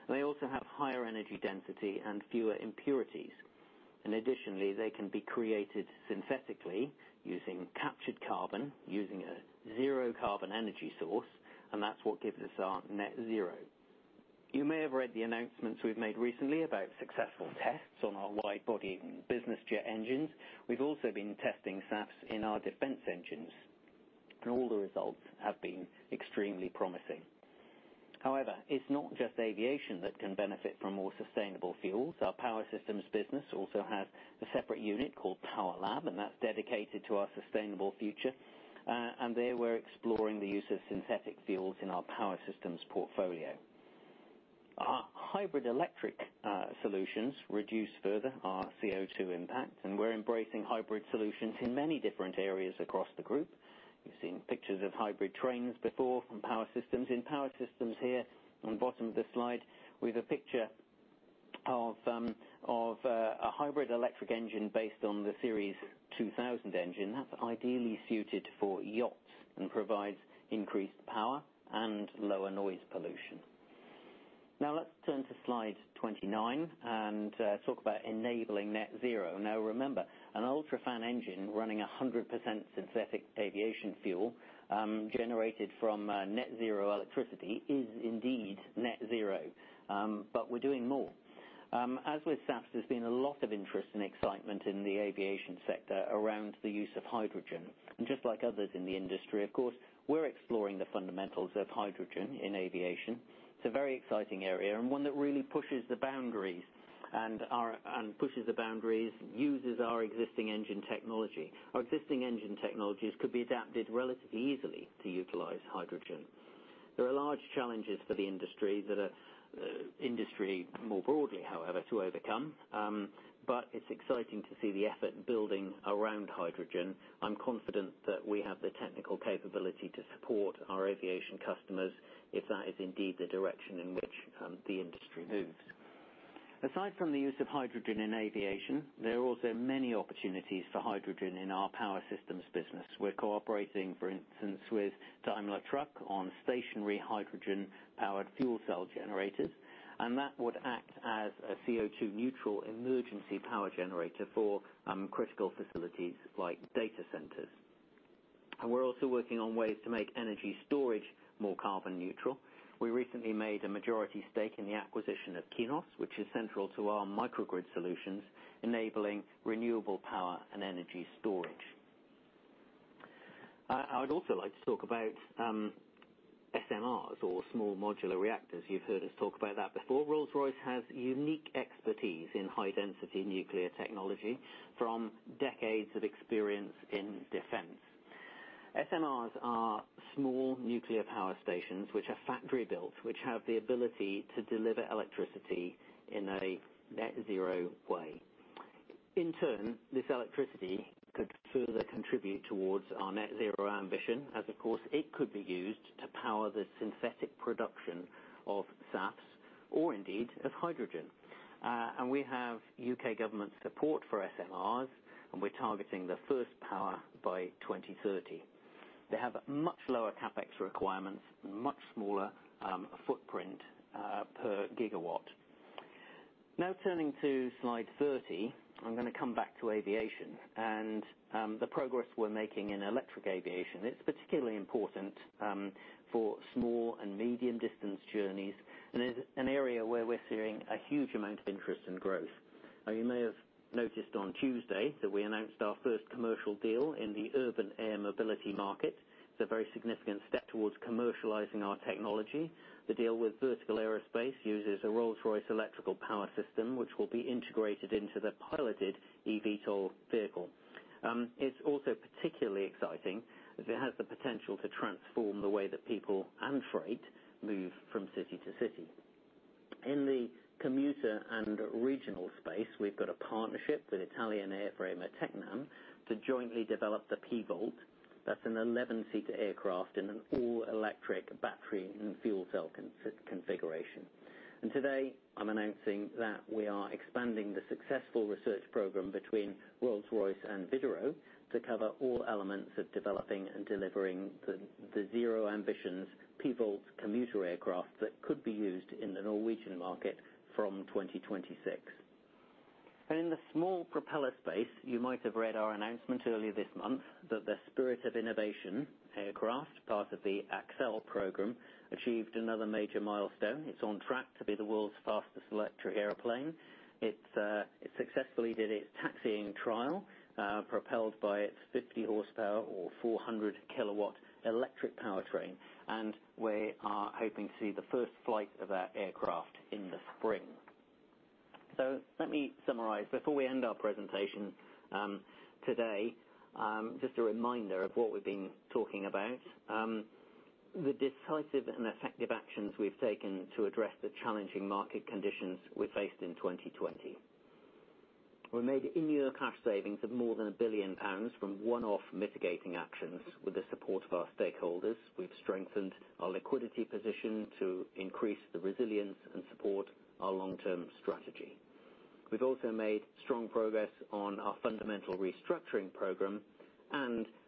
They also have higher energy density and fewer impurities. Additionally, they can be created synthetically using captured carbon, using a zero-carbon energy source, and that's what gives us our net zero. You may have read the announcements we've made recently about successful tests on our widebody business jet engines. We've also been testing SAFs in our defence engines, and all the results have been extremely promising. However, it's not just aviation that can benefit from more sustainable fuels. Our Power Systems business also has a separate unit called Power Lab, that's dedicated to our sustainable future. There, we're exploring the use of synthetic fuels in our Power Systems portfolio. Our hybrid electric solutions reduce further our CO2 impact, we're embracing hybrid solutions in many different areas across the group. You've seen pictures of hybrid trains before from Power Systems. In Power Systems here on the bottom of the slide, we have a picture of a hybrid electric engine based on the Series 2000 engine that's ideally suited for yachts and provides increased power and lower noise pollution. Let's turn to slide 29 and talk about enabling net zero. Remember, an UltraFan engine running 100% synthetic aviation fuel, generated from net zero electricity is indeed net zero. We're doing more. As with SAF, there's been a lot of interest and excitement in the aviation sector around the use of hydrogen. Just like others in the industry, of course, we're exploring the fundamentals of hydrogen in aviation. It's a very exciting area and one that really pushes the boundaries and uses our existing engine technology. Our existing engine technologies could be adapted relatively easily to utilize hydrogen. There are large challenges for the industry more broadly, however, to overcome. It's exciting to see the effort building around hydrogen. I'm confident that we have the technical capability to support our aviation customers if that is indeed the direction in which the industry moves. Aside from the use of hydrogen in aviation, there are also many opportunities for hydrogen in our Power Systems business. We're cooperating, for instance, with Daimler Truck on stationary hydrogen-powered fuel cell generators, and that would act as a CO2 neutral emergency power generator for critical facilities like data centers. We're also working on ways to make energy storage more carbon neutral. We recently made a majority stake in the acquisition of Qinous, which is central to our microgrid solutions, enabling renewable power and energy storage. I would also like to talk about SMRs or small modular reactors. You've heard us talk about that before. Rolls-Royce has unique expertise in high-density nuclear technology from decades of experience in defence. SMRs are small nuclear power stations, which are factory-built, which have the ability to deliver electricity in a net zero way. In turn, this electricity could further contribute towards our net zero ambition, as, of course, it could be used to power the synthetic production of SAF or indeed of hydrogen. We have U.K. government support for SMRs, and we're targeting the first power by 2030. They have much lower CapEx requirements and much smaller footprint per gigawatt. Turning to slide 30, I'm going to come back to aviation and the progress we're making in electric aviation. It's particularly important for small and medium distance journeys and is an area where we're seeing a huge amount of interest and growth. You may have noticed on Tuesday that we announced our first commercial deal in the urban air mobility market. It's a very significant step towards commercializing our technology. The deal with Vertical Aerospace uses a Rolls-Royce electrical power system, which will be integrated into the piloted eVTOL vehicle. It's also particularly exciting, as it has the potential to transform the way that people and freight move from city to city. In the commuter and regional space, we've got a partnership with Italian airframer Tecnam to jointly develop the P-Volt. That's an 11-seater aircraft in an all-electric battery and fuel cell configuration. Today, I'm announcing that we are expanding the successful research program between Rolls-Royce and Widerøe to cover all elements of developing and delivering the zero ambitions P-Volt commuter aircraft that could be used in the Norwegian market from 2026. In the small propeller space, you might have read our announcement earlier this month that the Spirit of Innovation aircraft, part of the ACCEL program, achieved another major milestone. It is on track to be the world's fastest electric airplane. It successfully did its taxiing trial, propelled by its 50 hp or 400 kW electric powertrain. We are hoping to see the first flight of that aircraft in the spring. Let me summarize before we end our presentation today, just a reminder of what we've been talking about. The decisive and effective actions we've taken to address the challenging market conditions we faced in 2020. We made in-year cash savings of more than 1 billion pounds from one-off mitigating actions with the support of our stakeholders. We've strengthened our liquidity position to increase the resilience and support our long-term strategy. We've also made strong progress on our fundamental restructuring program.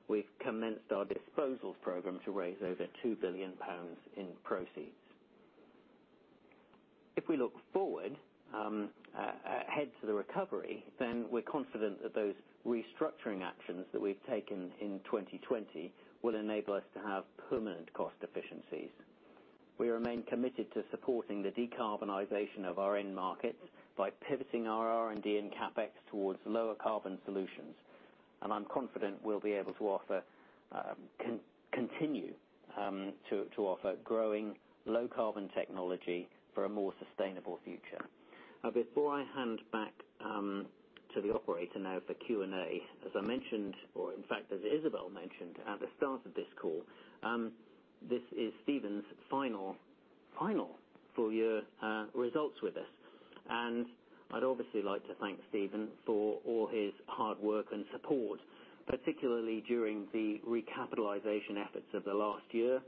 We've commenced our disposals program to raise over 2 billion pounds in proceeds. If we look forward ahead to the recovery, we're confident that those restructuring actions that we've taken in 2020 will enable us to have permanent cost efficiencies. We remain committed to supporting the decarbonization of our end markets by pivoting our R&D and CapEx towards lower carbon solutions. I'm confident we'll be able to continue to offer growing low-carbon technology for a more sustainable future. Before I hand back to the operator now for Q&A, as I mentioned, or in fact, as Isabel mentioned at the start of this call, this is Stephen's final full year results with us. I'd obviously like to thank Stephen for all his hard work and support, particularly during the recapitalization efforts of the last year.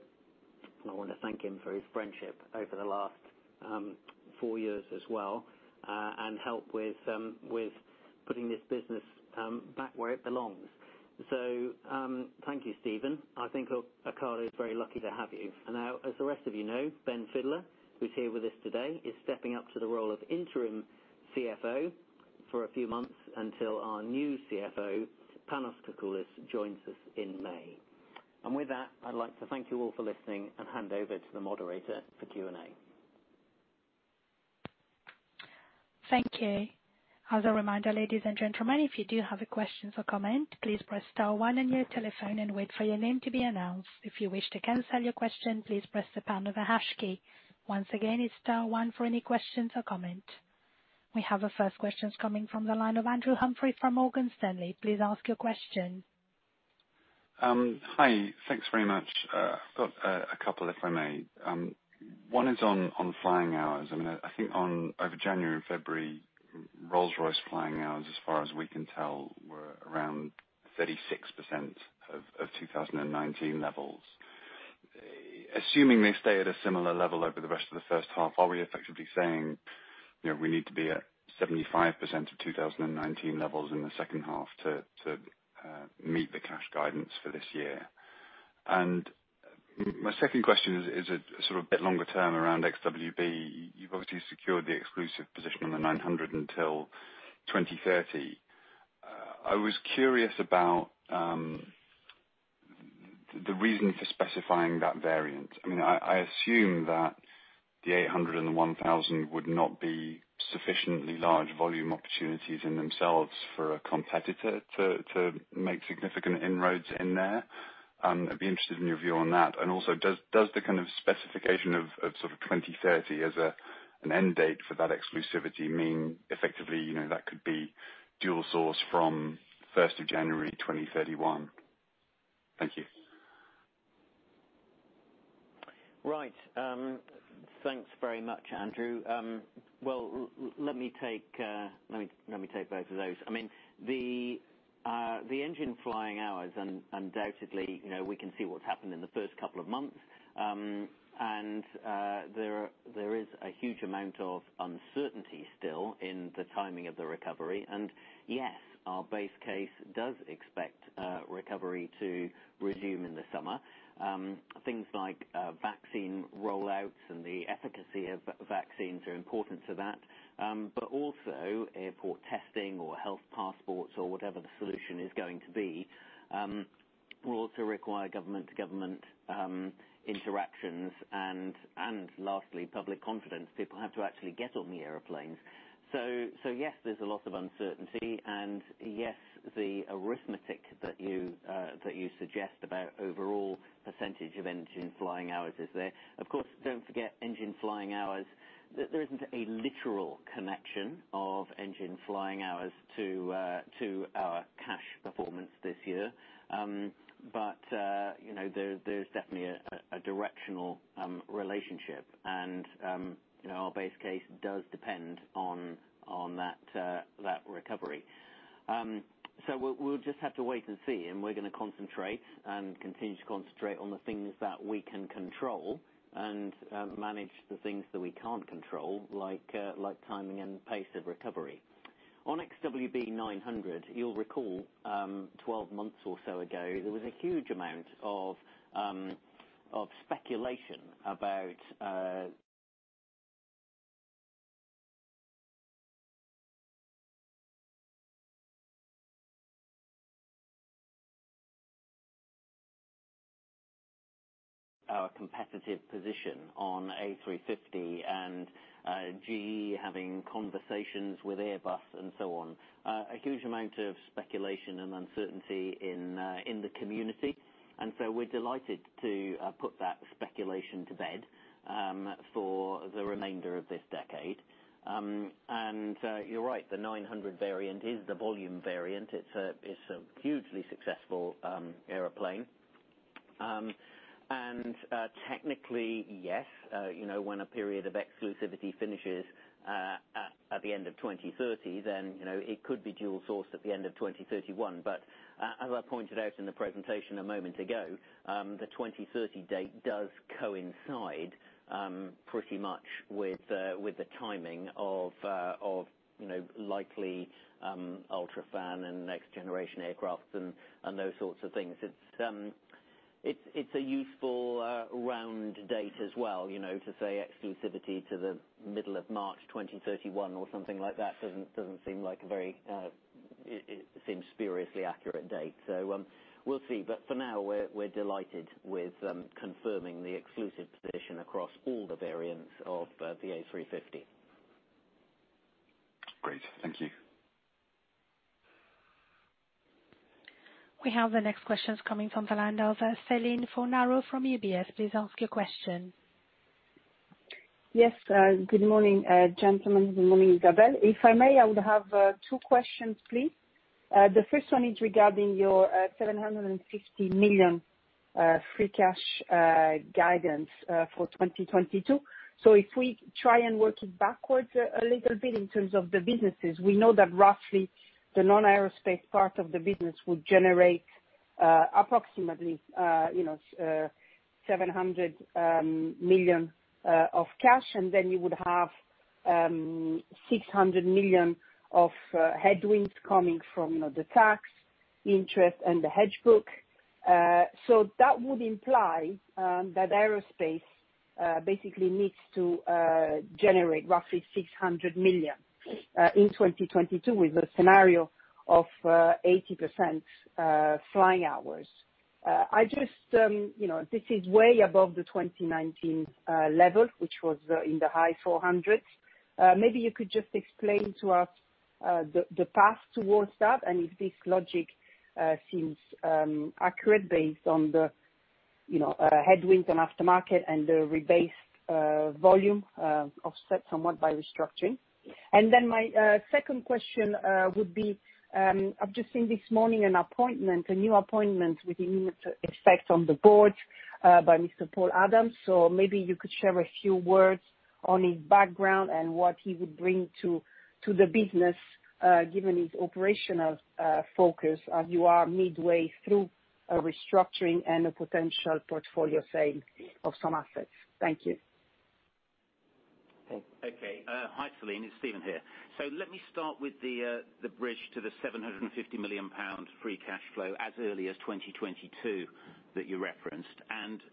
I want to thank him for his friendship over the last four years as well, and help with putting this business back where it belongs. Thank you, Stephen. I think Ocado is very lucky to have you. As the rest of you know, Ben Fidler, who's here with us today, is stepping up to the role of interim CFO for a few months until our new CFO, Panos Kakoullis, joins us in May. I'd like to thank you all for listening and hand over to the moderator for Q&A. Thank you. As a reminder, ladies and gentlemen, if you do have a question or comment, please press star one on your telephone and wait for your name to be announced. If you wish to cancel your question, please press the pound or the hash key. Once again, it is star one for any questions or comment. We have our first questions coming from the line of Andrew Humphrey from Morgan Stanley. Please ask your question. Hi. Thanks very much. I've got a couple, if I may. One is on flying hours. I think over January and February, Rolls-Royce flying hours, as far as we can tell, were around 36% of 2019 levels. Assuming they stay at a similar level over the rest of the first half, are we effectively saying we need to be at 75% of 2019 levels in the second half to meet the cash guidance for this year? My second question is a sort of bit longer term around XWB. You've obviously secured the exclusive position on the 900 until 2030. I was curious about the reason for specifying that variant. I assume that the 800 and the 1,000 would not be sufficiently large volume opportunities in themselves for a competitor to make significant inroads in there. I'd be interested in your view on that. Also, does the kind of specification of 2030 as an end date for that exclusivity mean effectively that could be dual sourced from 1st of January 2031? Thank you. Right. Thanks very much, Andrew. Well, let me take both of those. The engine flying hours, undoubtedly, we can see what's happened in the first couple of months. There is a huge amount of uncertainty still in the timing of the recovery. Yes, our base case does expect recovery to resume in the summer. Things like vaccine rollouts and the efficacy of vaccines are important to that. Also, airport testing or health passports or whatever the solution is going to be, will also require government-to-government interactions and lastly, public confidence. People have to actually get on the airplanes. Yes, there's a lot of uncertainty, and yes, the arithmetic that you suggest about overall percentage of engine flying hours is there. Of course, don't forget engine flying hours. There isn't a literal connection of engine flying hours to our cash performance this year. There's definitely a directional relationship. Our base case does depend on that recovery. We'll just have to wait and see, and we're going to concentrate and continue to concentrate on the things that we can control and manage the things that we can't control, like timing and pace of recovery. On XWB-900, you'll recall, 12 months or so ago, there was a huge amount of speculation about our competitive position on A350 and GE having conversations with Airbus and so on. A huge amount of speculation and uncertainty in the community. We're delighted to put that speculation to bed for the remainder of this decade. You're right, the 900 variant is the volume variant. It's a hugely successful airplane. Technically, yes, when a period of exclusivity finishes at the end of 2030, then it could be dual sourced at the end of 2031. As I pointed out in the presentation a moment ago, the 2030 date does coincide pretty much with the timing of likely UltraFan and next generation aircraft and those sorts of things. It's a useful round date as well, to say exclusivity to the middle of March 2031 or something like that doesn't seem like a very, it seems spuriously accurate date. We'll see. For now, we're delighted with confirming the exclusive position across all the variants of the A350. Great. Thank you. We have the next questions coming from the line of Céline Fornaro from UBS. Please ask your question. Yes. Good morning, gentlemen. Good morning, Isabel. If I may, I would have two questions, please. The first one is regarding your 750 million free cash guidance for 2022. If we try and work it backwards a little bit in terms of the businesses, we know that roughly the non-aerospace part of the business would generate approximately 700 million of cash, and then you would have 600 million of headwinds coming from the tax interest and the hedge book. That would imply that aerospace basically needs to generate roughly 600 million in 2022 with a scenario of 80% flying hours. This is way above the 2019 level, which was in the high 400 million. Maybe you could just explain to us the path towards that and if this logic seems accurate based on the headwinds and aftermarket and the rebased volume, offset somewhat by restructuring. My second question would be, I've just seen this morning a new appointment with immediate effect on the board by Mr. Paul Adams, maybe you could share a few words on his background and what he would bring to the business, given his operational focus as you are midway through a restructuring and a potential portfolio sale of some assets. Thank you. Okay. Hi, Céline. It's Stephen here. Let me start with the bridge to the 750 million pounds free cash flow as early as 2022 that you referenced.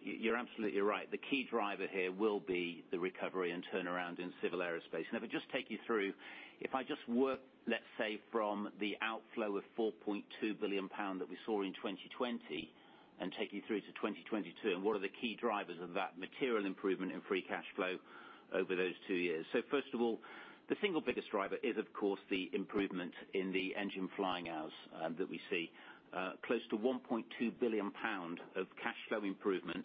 You're absolutely right. The key driver here will be the recovery and turnaround in Civil Aerospace. If I just work, let's say, from the outflow of 4.2 billion pound that we saw in 2020 and take you through to 2022, and what are the key drivers of that material improvement in free cash flow over those two years. First of all, the single biggest driver is, of course, the improvement in the engine flying hours that we see. Close to 1.2 billion pound of cash flow improvement,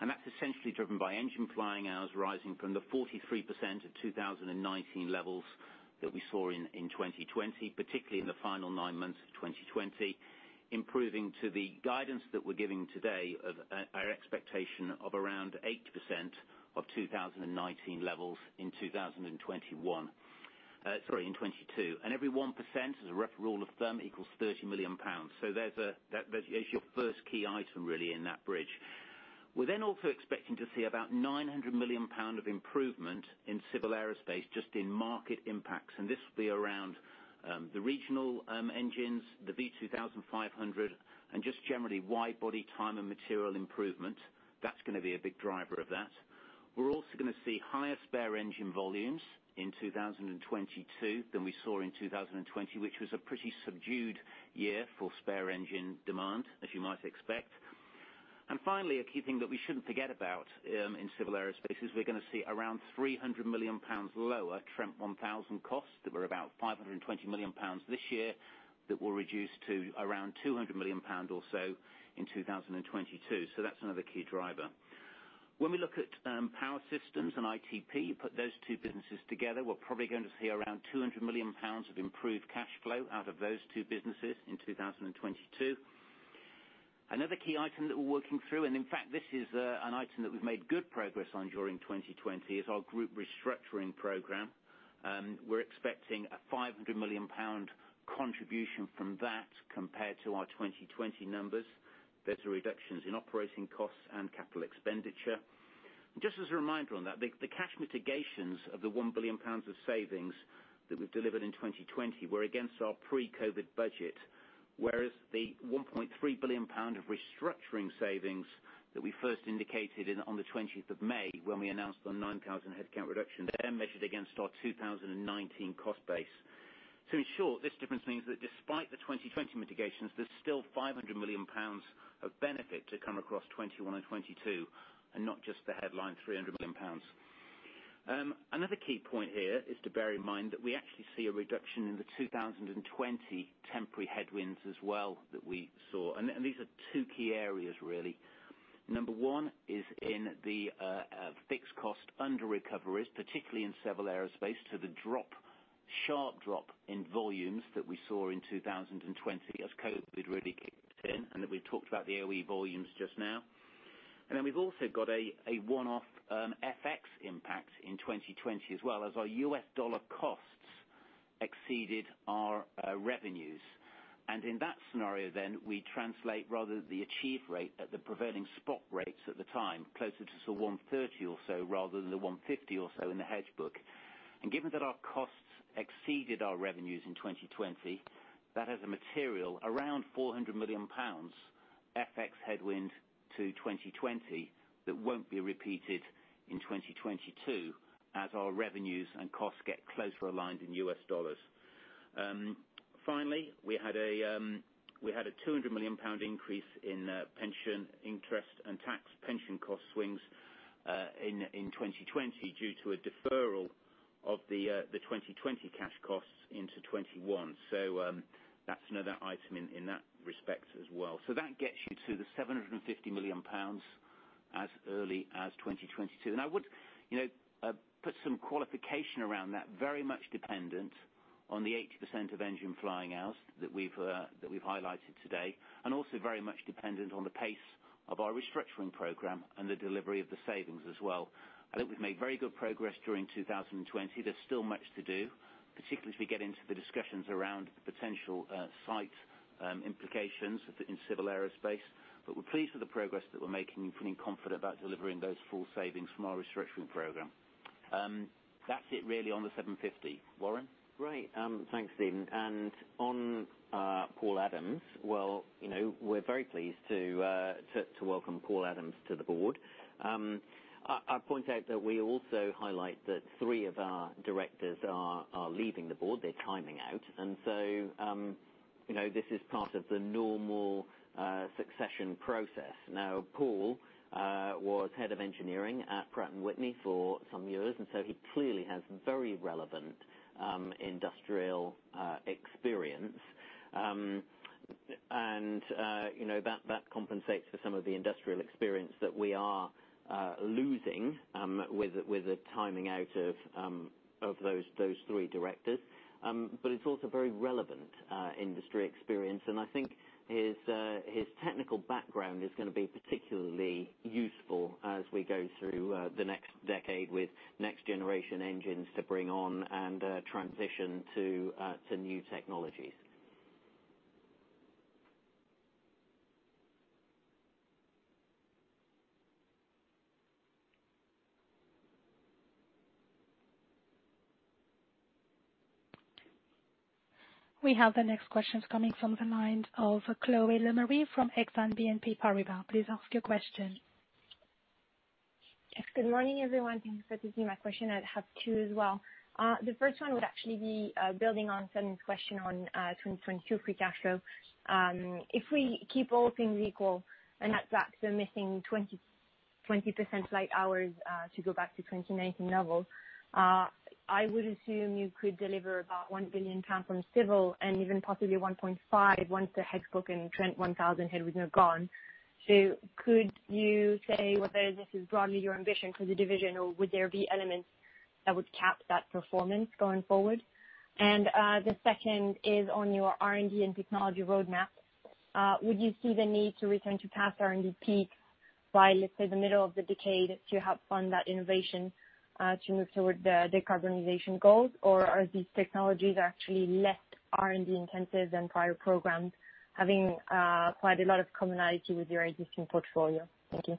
that's essentially driven by engine flying hours rising from the 43% of 2019 levels that we saw in 2020, particularly in the final nine months of 2020, improving to the guidance that we're giving today of our expectation of around 80% of 2019 levels in 2021. Sorry, in 2022. Every 1%, as a rough rule of thumb, equals 30 million pounds. That's your first key item, really, in that bridge. We're also expecting to see about 900 million pound of improvement in Civil Aerospace just in market impacts, this will be around the regional engines, the V2500, and just generally wide body time and material improvement. That's going to be a big driver of that. We're also going to see higher spare engine volumes in 2022 than we saw in 2020, which was a pretty subdued year for spare engine demand, as you might expect. Finally, a key thing that we shouldn't forget about in Civil Aerospace is we're going to see around 300 million pounds lower Trent 1000 costs that were about 520 million pounds this year that will reduce to around 200 million pounds or so in 2022. That's another key driver. When we look at Power Systems and ITP, put those two businesses together, we're probably going to see around 200 million pounds of improved cash flow out of those two businesses in 2022. Another key item that we're working through, and in fact, this is an item that we've made good progress on during 2020, is our group restructuring program. We're expecting a 500 million pound contribution from that compared to our 2020 numbers. There's reductions in operating costs and capital expenditure. Just as a reminder on that, the cash mitigations of the 1 billion pounds of savings that we've delivered in 2020 were against our pre-COVID budget, whereas the 1.3 billion pound of restructuring savings that we first indicated on the 20th of May, when we announced the 9,000 headcount reduction, they're measured against our 2019 cost base. In short, this difference means that despite the 2020 mitigations, there's still 500 million pounds of benefit to come across 2021 and 2022, and not just the headline, 300 million pounds. Another key point here is to bear in mind that we actually see a reduction in the 2020 temporary headwinds as well that we saw. These are two key areas, really. Number one is in the fixed cost underrecoveries, particularly in Civil Aerospace. The sharp drop in volumes that we saw in 2020 as COVID really kicked in, and that we've talked about the OE volumes just now. We've also got a one-off FX impact in 2020 as well, as our U.S. dollar costs exceeded our revenues. In that scenario, we translate rather the achieved rate at the prevailing spot rates at the time, closer to sort of 1.30 or so, rather than the 1.50 or so in the hedge book. Given that our costs exceeded our revenues in 2020, that is a material, around 400 million pounds FX headwind to 2020 that won't be repeated in 2022 as our revenues and costs get closer aligned in U.S. dollars. Finally, we had a 200 million pound increase in pension interest and tax pension cost swings in 2020 due to a deferral of the 2020 cash costs into 2021. That's another item in that respect as well. That gets you to the 750 million pounds as early as 2022. I would put some qualification around that. Very much dependent on the 80% of engine flying hours that we've highlighted today, and also very much dependent on the pace of our restructuring program and the delivery of the savings as well. I think we've made very good progress during 2020. There's still much to do, particularly as we get into the discussions around the potential site implications in Civil Aerospace. We're pleased with the progress that we're making and feeling confident about delivering those full savings from our restructuring program. That's it, really, on the 750 million. Warren? Great. Thanks, Stephen. On Paul Adams, well, we're very pleased to welcome Paul Adams to the board. I point out that we also highlight that three of our directors are leaving the board. They're timing out. This is part of the normal succession process. Now, Paul was head of engineering at Pratt & Whitney for some years, he clearly has very relevant industrial experience. That compensates for some of the industrial experience that we are losing with the timing out of those three directors. It's also very relevant industry experience. I think his technical background is going to be particularly useful as we go through the next decade with next generation engines to bring on and transition to new technologies. We have the next questions coming from the line of Chloé Lemarié from Exane BNP Paribas. Please ask your question. Yes. Good morning, everyone. Thank you for taking my question. I have two as well. The first one would actually be building on Céline's question on 2022 free cash flow. If we keep all things equal and at that, we're missing 20% flight hours to go back to 2019 levels, I would assume you could deliver about 1 billion pounds from Civil and even possibly 1.5 billion once the hedge book and Trent 1000 headwind are gone. Could you say whether this is broadly your ambition for the division, or would there be elements that would cap that performance going forward? The second is on your R&D and technology roadmap. Would you see the need to return to past R&D peaks by, let's say, the middle of the decade to help fund that innovation to move toward the decarbonization goals? Are these technologies actually less R&D intensive than prior programs, having quite a lot of commonality with your existing portfolio? Thank you.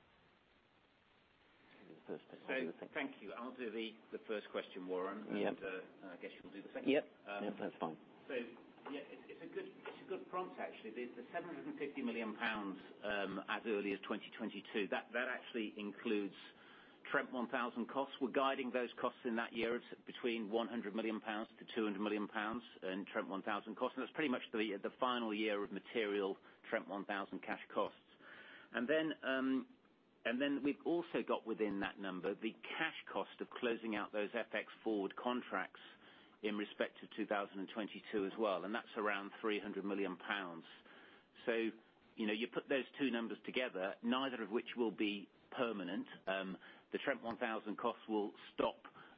Thank you. I'll do the first question, Warren. Yeah. I guess you'll do the second. Yep. That's fine. Yeah, it's a good prompt, actually. The 750 million pounds as early as 2022, that actually includes Trent 1000 costs. We're guiding those costs in that year. It's between 100 million pounds to 200 million pounds in Trent 1000 costs, and that's pretty much the final year of material Trent 1000 cash costs. We've also got within that number, the cash cost of closing out those FX forward contracts in respect to 2022 as well, and that's around 300 million pounds. You put those two numbers together, neither of which will be permanent. The Trent 1000 costs will stop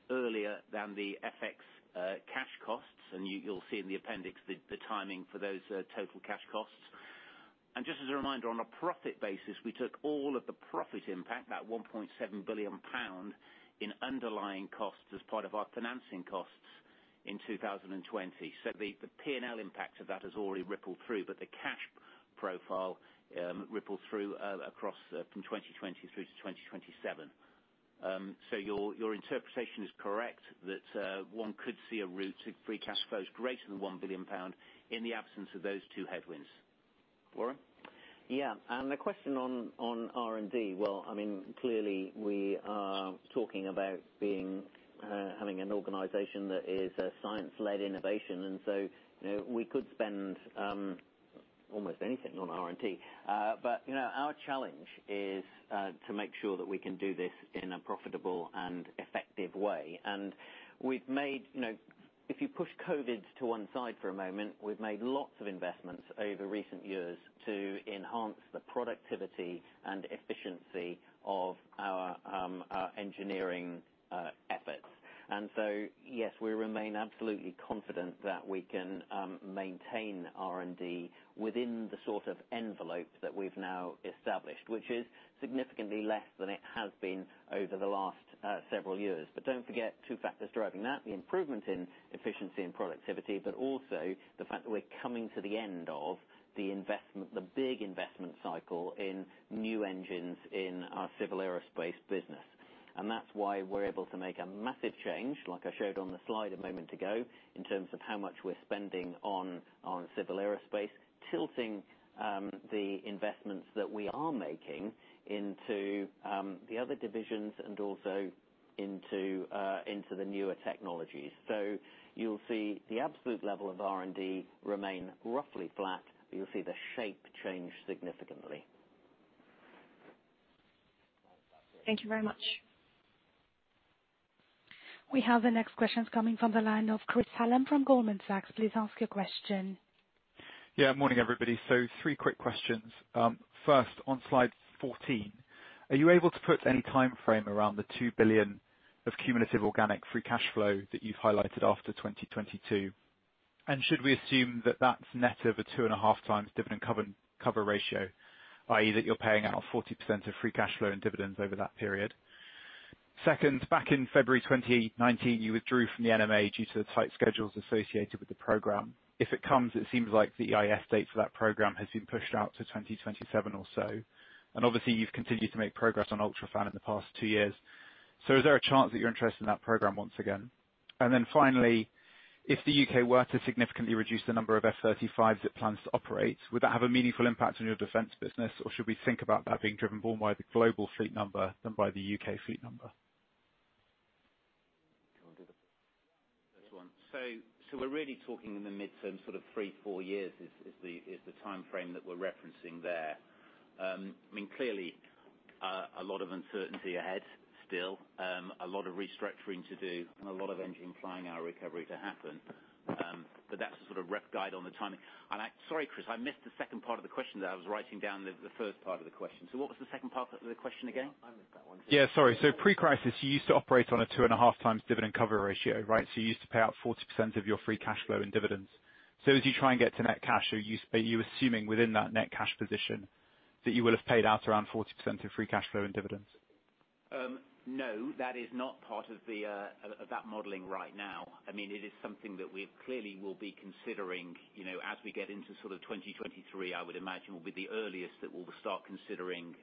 earlier than the FX cash costs. You'll see in the appendix the timing for those total cash costs. Just as a reminder, on a profit basis, we took all of the profit impact, that GBP 1.7 billion, in underlying costs as part of our financing costs in 2020. The P&L impact of that has already rippled through, but the cash profile ripples through across from 2020 through to 2027. Your interpretation is correct, that one could see a route to free cash flows greater than 1 billion pound in the absence of those two headwinds. Warren? Yeah. The question on R&D. Well, clearly we are talking about having an organization that is a science-led innovation. We could spend almost anything on R&D. Our challenge is to make sure that we can do this in a profitable and effective way. If you push COVID to one side for a moment, we've made lots of investments over recent years to enhance the productivity and efficiency of our engineering efforts. Yes, we remain absolutely confident that we can maintain R&D within the sort of envelope that we've now established, which is significantly less than it has been over the last several years. Don't forget two factors driving that, the improvement in efficiency and productivity, but also the fact that we're coming to the end of the big investment cycle in new engines in our Civil Aerospace business. That's why we're able to make a massive change, like I showed on the slide a moment ago, in terms of how much we're spending on Civil Aerospace, tilting the investments that we are making into the other divisions and also into the newer technologies. You'll see the absolute level of R&D remain roughly flat, but you'll see the shape change significantly. Thank you very much. We have the next questions coming from the line of Chris Hallam from Goldman Sachs. Please ask your question. Yeah, Morning, everybody. Three quick questions. First, on slide 14, are you able to put any timeframe around the 2 billion of cumulative organic free cash flow that you've highlighted after 2022? Should we assume that that's net over 2.5x dividend cover ratio, i.e., that you're paying out 40% of free cash flow and dividends over that period? Second, back in February 2019, you withdrew from the NMA due to the tight schedules associated with the program. If it comes, it seems like the EIS date for that program has been pushed out to 2027 or so. Obviously, you've continued to make progress on UltraFan in the past two years. Is there a chance that you're interested in that program once again? Finally, if the U.K. were to significantly reduce the number of F-35s it plans to operate, would that have a meaningful impact on your Defence business, or should we think about that being driven more by the global fleet number than by the U.K. fleet number? Do you want to do this one? We're really talking in the midterm, sort of three, four years is the timeframe that we're referencing there. Clearly, a lot of uncertainty ahead still. A lot of restructuring to do and a lot of engine flying hour recovery to happen. That's the sort of rough guide on the timing. Sorry, Chris, I missed the second part of the question there. I was writing down the first part of the question. What was the second part of the question again? I missed that one. Yeah, sorry. Pre-crisis, you used to operate on a 2.5x dividend cover ratio, right? You used to pay out 40% of your free cash flow in dividends. As you try and get to net cash, are you assuming within that net cash position that you will have paid out around 40% of free cash flow in dividends? No, that is not part of that modeling right now. It is something that we clearly will be considering as we get into 2023, I would imagine, will be the earliest that we'll start considering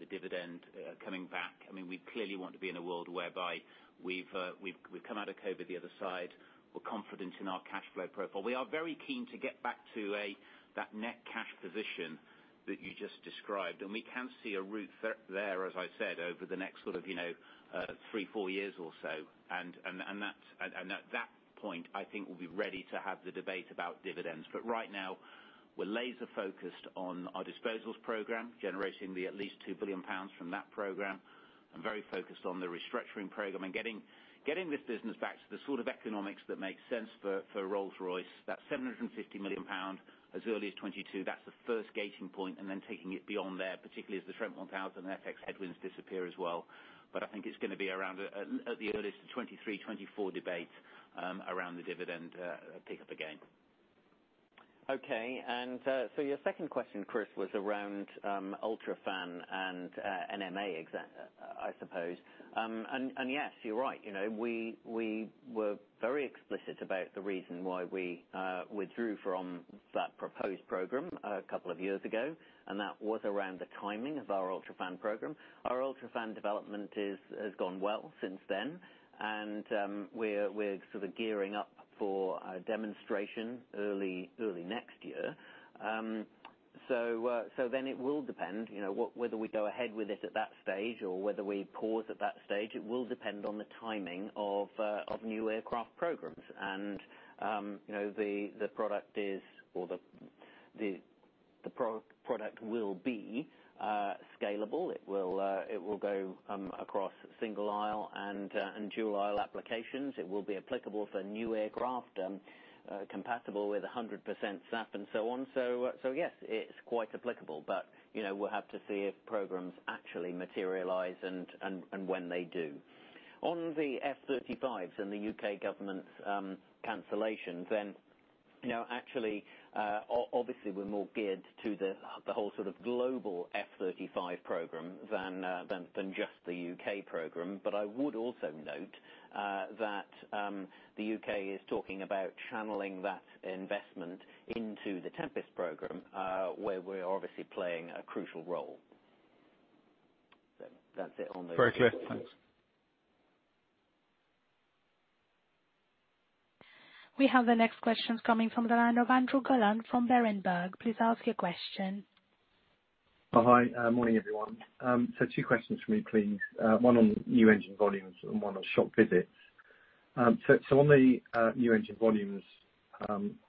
the dividend coming back. We clearly want to be in a world whereby we've come out of COVID the other side. We're confident in our cash flow profile. We are very keen to get back to that net cash position that you just described. We can see a route there, as I said, over the next sort of, three, four years or so. At that point, I think we'll be ready to have the debate about dividends. Right now, we're laser-focused on our disposals program, generating at least 2 billion pounds from that program, and very focused on the restructuring program and getting this business back to the sort of economics that makes sense for Rolls-Royce. That 750 million pound as early as 2022, that's the first gauging point, and then taking it beyond there, particularly as the Trent 1000 and FX headwinds disappear as well. I think it's going to be around at the earliest 2023, 2024 debate around the dividend pick up again. Okay. Your second question, Chris, was around UltraFan and NMA, I suppose. Yes, you're right. We were very explicit about the reason why we withdrew from that proposed program a couple of years ago, and that was around the timing of our UltraFan program. Our UltraFan development has gone well since then, and we're sort of gearing up for a demonstration early next year. It will depend, whether we go ahead with it at that stage or whether we pause at that stage. It will depend on the timing of new aircraft programs. The product will be scalable. It will go across single aisle and dual aisle applications. It will be applicable for new aircraft, compatible with 100% SAF and so on. Yes, it's quite applicable. We'll have to see if programs actually materialize and when they do. On the F-35s and the U.K. government's cancellations. Actually, obviously, we're more geared to the whole sort of global F-35 program than just the U.K. program. I would also note that the U.K. is talking about channeling that investment into the Tempest program, where we're obviously playing a crucial role. Very clear. Thanks. We have the next questions coming from the line of Andrew Gollan from Berenberg. Please ask your question. Hi. Morning, everyone. Two questions for me, please. One on new engine volumes and one on shop visits. On the new engine volumes,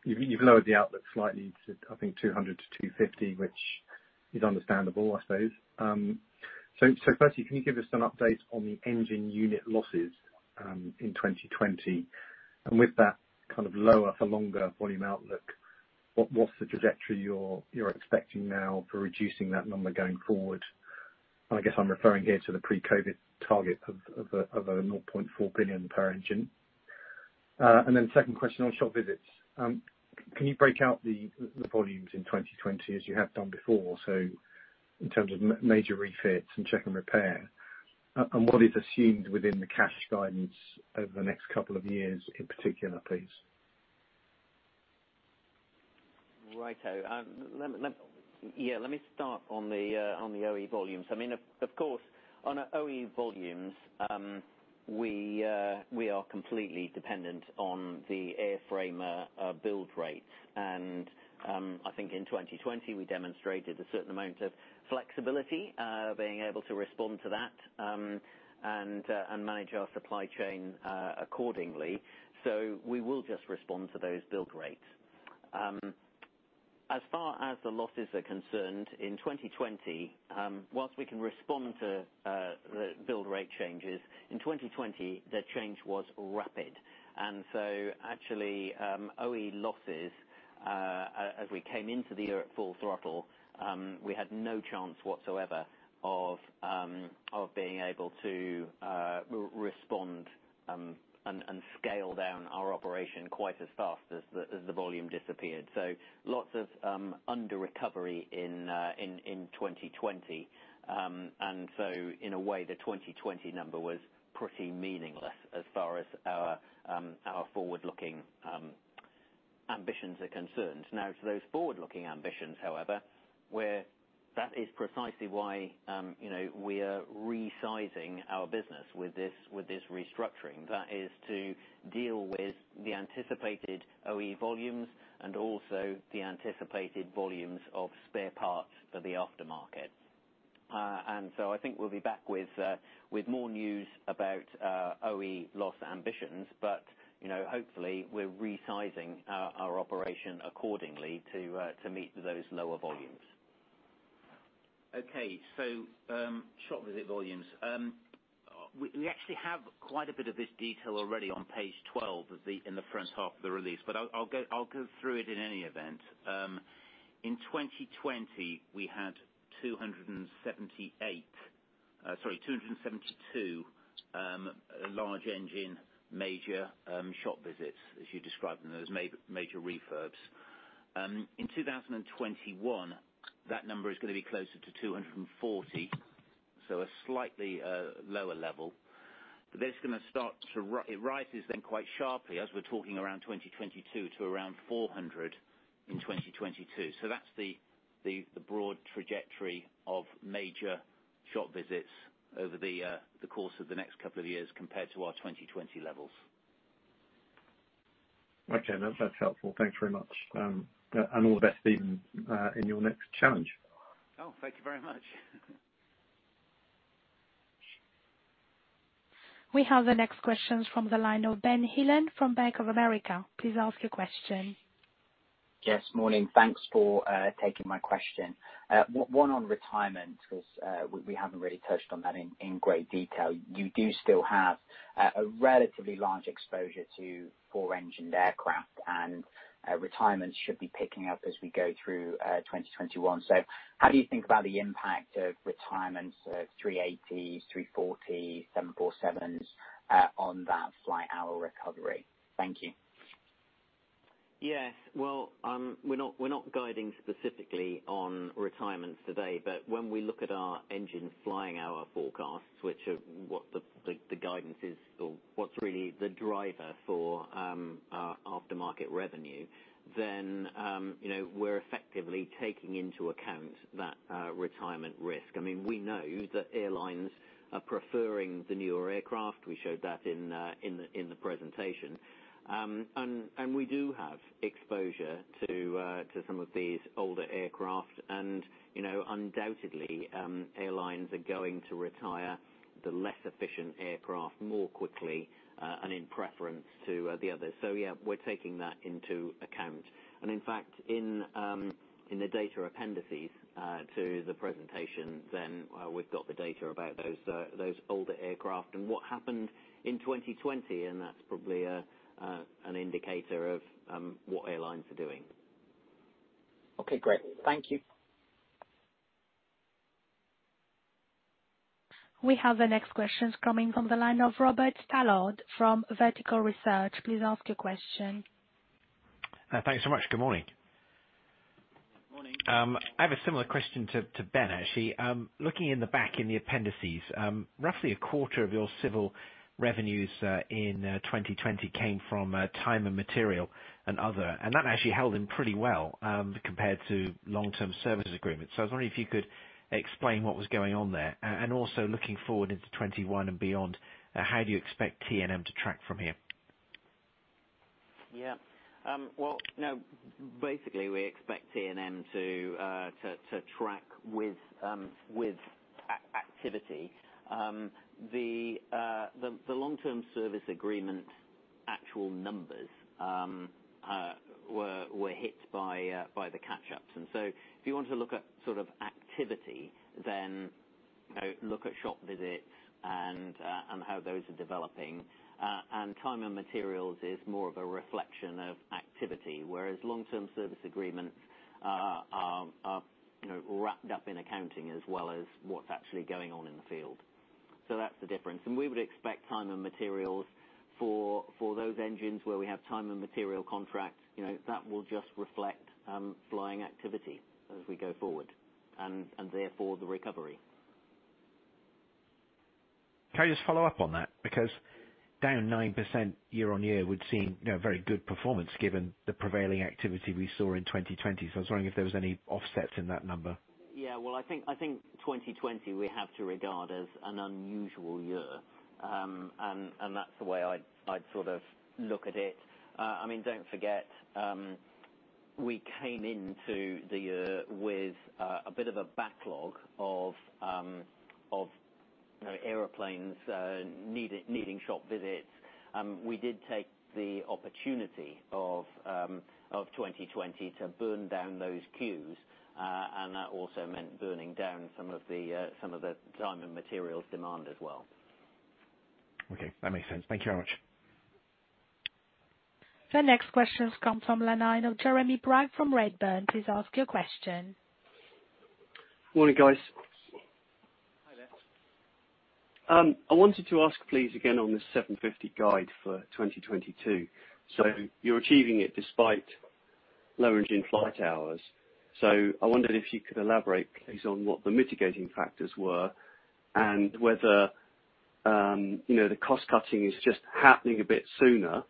you've lowered the outlook slightly to, I think, 200-250, which is understandable, I suppose. Firstly, can you give us an update on the engine unit losses, in 2020? With that kind of lower for longer volume outlook, what's the trajectory you're expecting now for reducing that number going forward? I guess I'm referring here to the pre-COVID target of 0.4 billion per engine. Then second question on shop visits. Can you break out the volumes in 2020 as you have done before, so in terms of major refits and check and repair? What is assumed within the cash guidance over the next couple of years in particular, please? Righto. Let me start on the OE volumes. I mean, of course, on our OE volumes, we are completely dependent on the airframe build rates. I think in 2020 we demonstrated a certain amount of flexibility, being able to respond to that, and manage our supply chain accordingly. We will just respond to those build rates. As far as the losses are concerned, in 2020, whilst we can respond to build rate changes, in 2020, the change was rapid. Actually, OE losses, as we came into the year at full throttle, we had no chance whatsoever of being able to respond and scale down our operation quite as fast as the volume disappeared. Lots of under recovery in 2020. In a way, the 2020 number was pretty meaningless as far as our forward-looking ambitions are concerned. To those forward-looking ambitions, however, where that is precisely why we are resizing our business with this restructuring, that is to deal with the anticipated OE volumes and also the anticipated volumes of spare parts for the aftermarket. I think we'll be back with more news about OE loss ambitions. Hopefully we're resizing our operation accordingly to meet those lower volumes. Okay. Shop visit volumes. We actually have quite a bit of this detail already on page 12 in the front half of the release. I'll go through it in any event. In 2020, we had 278, sorry, 272 large engine major shop visits, as you describe them, those major refurbs. In 2021, that number is going to be closer to 240, so a slightly lower level. That's going to start to rise. It rises then quite sharply as we're talking around 2022 to around 400 in 2022. That's the broad trajectory of major shop visits over the course of the next couple of years compared to our 2020 levels. Okay, that's helpful. Thanks very much. All the best, Stephen, in your next challenge. Oh, thank you very much. We have the next questions from the line of Ben Heelan from Bank of America. Please ask your question. Yes, morning. Thanks for taking my question. One on retirement, because we haven't really touched on that in great detail. You do still have a relatively large exposure to four-engined aircraft, and retirement should be picking up as we go through 2021. How do you think about the impact of retirements of 380s, 340, 747s on that flight-hour recovery? Thank you. Yes, well, we're not guiding specifically on retirements today. When we look at our engine flying hour forecasts, which are what the guidance is, or what's really the driver for our aftermarket revenue, we're effectively taking into account that retirement risk. I mean, we know that airlines are preferring the newer aircraft. We showed that in the presentation. We do have exposure to some of these older aircraft, and undoubtedly, airlines are going to retire the less efficient aircraft more quickly, and in preference to the others. Yeah, we're taking that into account. In fact, in the data appendices to the presentation, we've got the data about those older aircraft and what happened in 2020, and that's probably an indicator of what airlines are doing. Okay, great. Thank you. We have the next questions coming from the line of Robert Stallard from Vertical Research. Please ask your question. Thanks so much. Good morning. Good morning. I have a similar question to Ben, actually. Looking in the back in the appendices, roughly a quarter of your civil revenues in 2020 came from time and materials and other. That actually held in pretty well, compared to long-term service agreements. I was wondering if you could explain what was going on there. Also looking forward into 2021 and beyond, how do you expect T&M to track from here? Yeah. Well, basically, we expect T&M to track with activity. The long-term service agreement actual numbers were hit by the catch-ups. If you want to look at sort of activity, then look at shop visits and how those are developing. Time and materials is more of a reflection of activity, whereas long-term service agreements are wrapped up in accounting as well as what's actually going on in the field. That's the difference. We would expect time and materials for those engines where we have time and material contracts, that will just reflect flying activity as we go forward, and therefore the recovery. Can I just follow up on that? Down 9% year-over-year would seem very good performance given the prevailing activity we saw in 2020. I was wondering if there was any offsets in that number. Well, I think 2020, we have to regard as an unusual year, and that's the way I'd sort of look at it. Don't forget, we came into the year with a bit of a backlog of airplanes needing shop visits. We did take the opportunity of 2020 to burn down those queues, and that also meant burning down some of the Time and Materials demand as well. Okay. That makes sense. Thank you very much. The next questions come from the line of Jeremy Bragg from Redburn. Please ask your question. Morning, guys. Hi, there. I wanted to ask, please, again on the 750 million guide for 2022. You're achieving it despite low engine flight hours. I wondered if you could elaborate, please, on what the mitigating factors were and whether the cost-cutting is just happening a bit sooner,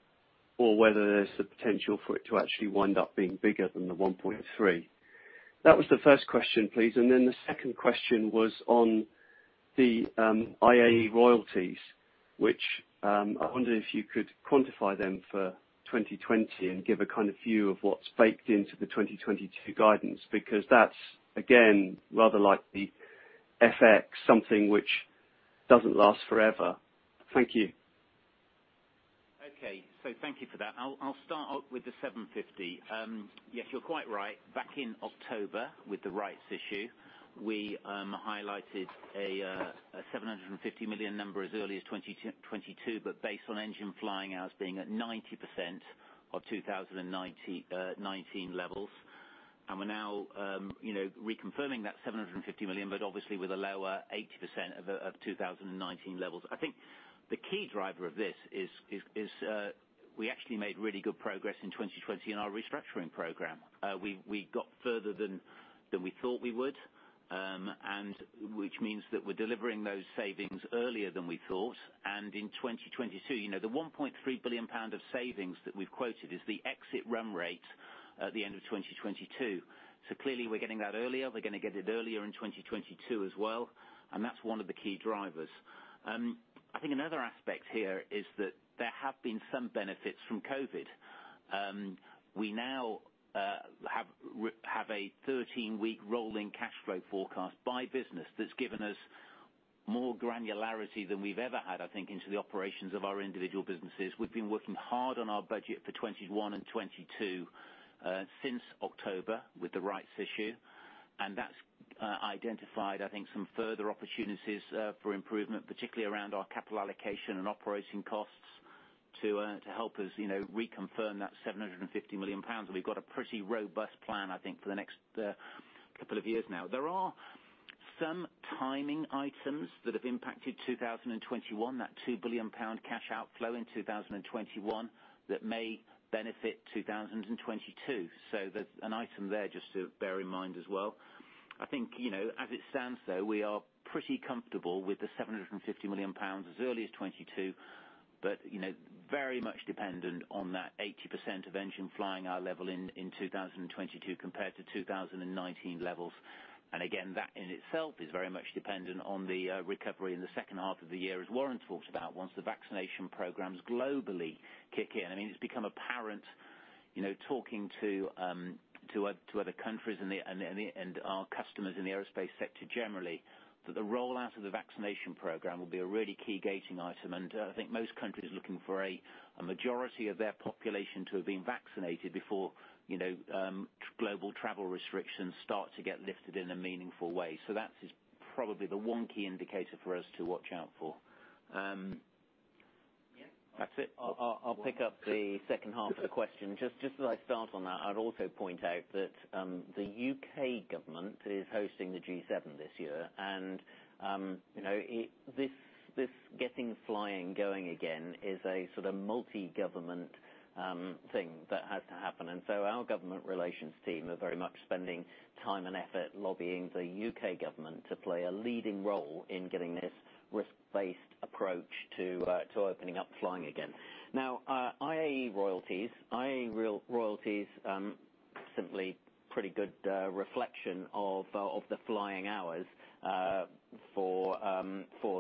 or whether there's the potential for it to actually wind up being bigger than the 1.3 billion. That was the first question, please. The second question was on the IAE royalties, which, I wonder if you could quantify them for 2020 and give a kind of view of what's baked into the 2022 guidance, because that's, again, rather like the FX, something which doesn't last forever. Thank you. Okay. Thank you for that. I'll start off with the 750 million. Yes, you're quite right. Back in October, with the rights issue, we highlighted a 750 million number as early as 2022, but based on engine flying hours being at 90% of 2019 levels. We're now reconfirming that 750 million, but obviously with a lower 80% of 2019 levels. I think the key driver of this is we actually made really good progress in 2020 in our restructuring program. We got further than we thought we would, and which means that we're delivering those savings earlier than we thought. In 2022, the 1.3 billion pound of savings that we've quoted is the exit run rate at the end of 2022. Clearly, we're getting that earlier. We're gonna get it earlier in 2022 as well. That's one of the key drivers. I think another aspect here is that there have been some benefits from COVID. We now have a 13-week rolling cash flow forecast by business that's given us more granularity than we've ever had, I think, into the operations of our individual businesses. We've been working hard on our budget for 2021 and 2022 since October with the rights issue. That's identified, I think, some further opportunities for improvement, particularly around our capital allocation and operating costs to help us reconfirm that 750 million pounds. We've got a pretty robust plan, I think, for the next couple of years now. There are some timing items that have impacted 2021, that 2 billion pound cash outflow in 2021 that may benefit 2022. There's an item there just to bear in mind as well. I think, as it stands, though, we are pretty comfortable with the 750 million pounds as early as 2022, but very much dependent on that 80% of engine flying hour level in 2022 compared to 2019 levels. Again, that in itself is very much dependent on the recovery in the second half of the year as Warren talked about once the vaccination programs globally kick in. It's become apparent talking to other countries and our customers in the aerospace sector generally, that the rollout of the vaccination program will be a really key gating item. I think most countries are looking for a majority of their population to have been vaccinated before global travel restrictions start to get lifted in a meaningful way. That is probably the one key indicator for us to watch out for. That's it. I'll pick up the second half of the question. Just as I start on that, I'd also point out that the U.K. government is hosting the G7 this year. This getting flying going again is a sort of multi-government thing that has to happen. Our government relations team are very much spending time and effort lobbying the U.K. government to play a leading role in getting this risk-based approach to opening up flying again. Now, IAE royalties. IAE royalties, simply pretty good reflection of the flying hours for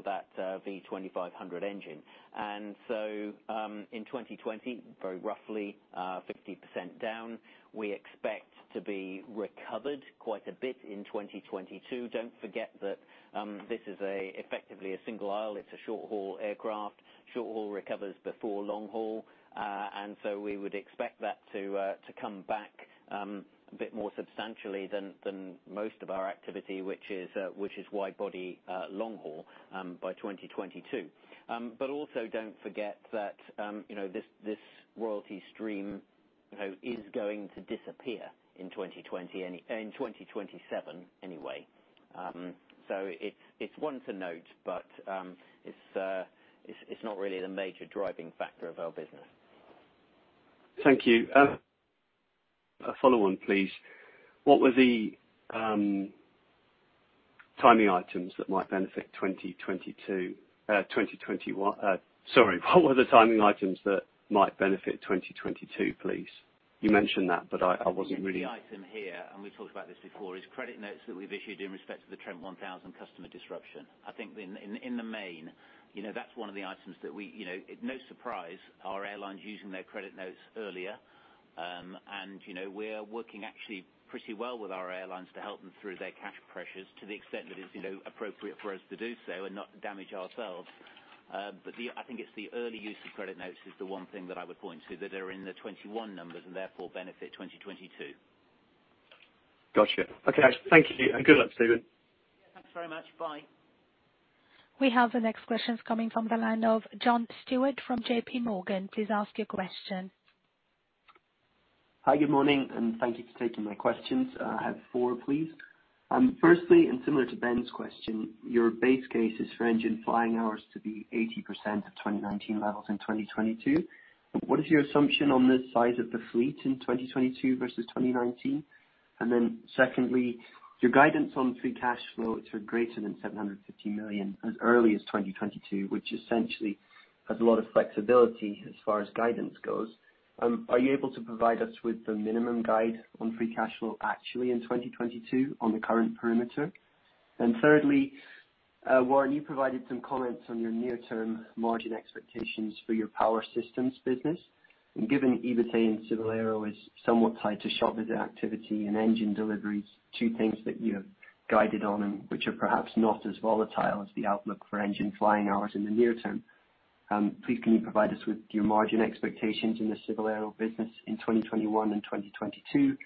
that V2500 engine. In 2020, very roughly 50% down. We expect to be recovered quite a bit in 2022. Don't forget that this is effectively a single aisle. It's a short-haul aircraft. Short-haul recovers before long-haul, and so we would expect that to come back a bit more substantially than most of our activity, which is wide-body long haul, by 2022. Also, don't forget that this royalty stream is going to disappear in 2027 anyway. It's one to note, but it's not really the major driving factor of our business. Thank you. A follow on, please. What were the timing items that might benefit 2022 2021. Sorry. What were the timing items that might benefit 2022, please? You mentioned that, but I wasn't really- The item here, and we've talked about this before, is credit notes that we've issued in respect to the Trent 1000 customer disruption. I think in the main, that's one of the items that we, no surprise, are airlines using their credit notes earlier. We're working actually pretty well with our airlines to help them through their cash pressures to the extent that is appropriate for us to do so and not damage ourselves. I think it's the early use of credit notes is the one thing that I would point to, that they're in the 2021 numbers and therefore benefit 2022. Got you. Okay. Thank you. Good luck, Stephen. Thanks very much. Bye. We have the next questions coming from the line of John Stewart from JPMorgan. Please ask your question. Hi, good morning, thank you for taking my questions. I have four, please. Firstly, and similar to Ben's question, your base case is for engine flying hours to be 80% of 2019 levels in 2022. What is your assumption on the size of the fleet in 2022 versus 2019? Secondly, your guidance on free cash flows are greater than 750 million as early as 2022, which essentially has a lot of flexibility as far as guidance goes. Are you able to provide us with the minimum guide on free cash flow actually in 2022 on the current perimeter? Thirdly, Warren, you provided some comments on your near-term margin expectations for your Power Systems business. Given EBITA in Civil Aero is somewhat tied to shop visit activity and engine deliveries, two things that you have guided on and which are perhaps not as volatile as the outlook for engine flying hours in the near term, please can you provide us with your margin expectations in the Civil Aero business in 2021 and 2022?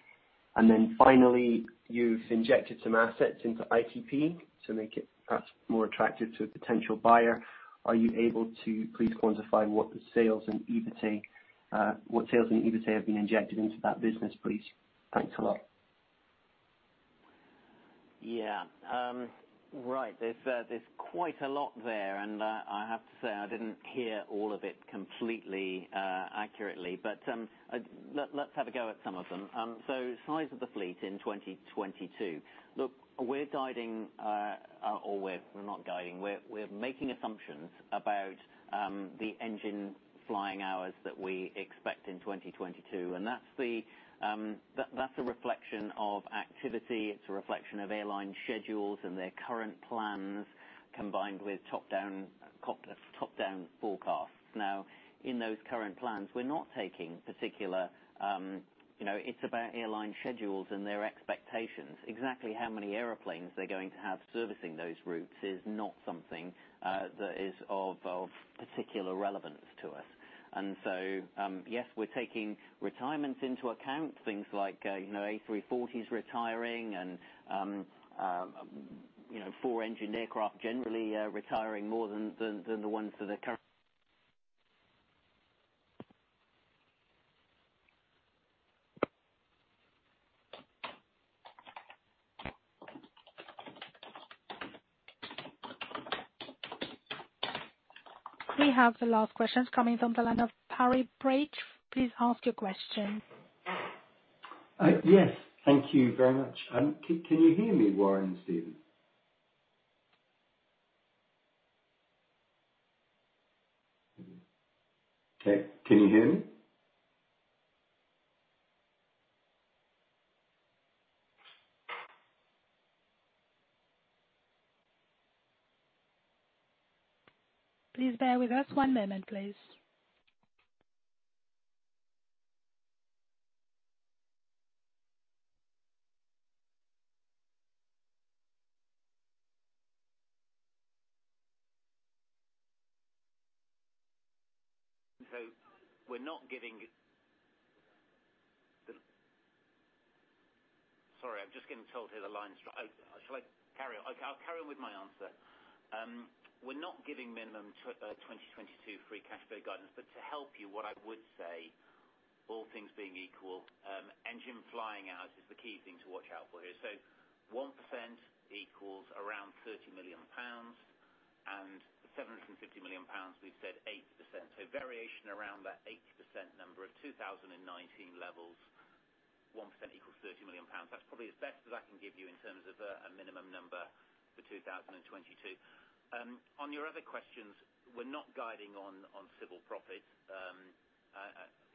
Finally, you've injected some assets into ITP to make it perhaps more attractive to a potential buyer. Are you able to please quantify what the sales and EBITA have been injected into that business, please? Thanks a lot. Yeah. Right. There's quite a lot there, and I have to say, I didn't hear all of it completely accurately. Let's have a go at some of them. Size of the fleet in 2022. Look, we're guiding, or we're not guiding, we're making assumptions about the engine flying hours that we expect in 2022, and that's a reflection of activity. It's a reflection of airline schedules and their current plans, combined with top-down forecasts. In those current plans, it's about airline schedules and their expectations. Exactly how many airplanes they're going to have servicing those routes is not something that is of particular relevance to us. Yes, we're taking retirements into account, things like A340s retiring and four-engined aircraft generally retiring more than the ones that are current. We have the last questions coming from the line of Harry Breach. Please ask your question. Yes. Thank you very much. Can you hear me, Warren and Stephen? Okay, can you hear me? Please bear with us, one moment please. We're not giving the Sorry, I'm just getting told here the line's dropping. Shall I carry on? Okay, I'll carry on with my answer. We're not giving minimum 2022 free cash flow guidance. To help you, what I would say, all things being equal, engine flying hours is the key thing to watch out for here. 1% equals around 30 million pounds, and 750 million pounds, we've said 80%. Variation around that 80% number of 2019 levels, 1% equals 30 million pounds. That's probably as best as I can give you in terms of a minimum number for 2022. On your other questions, we're not guiding on civil profit.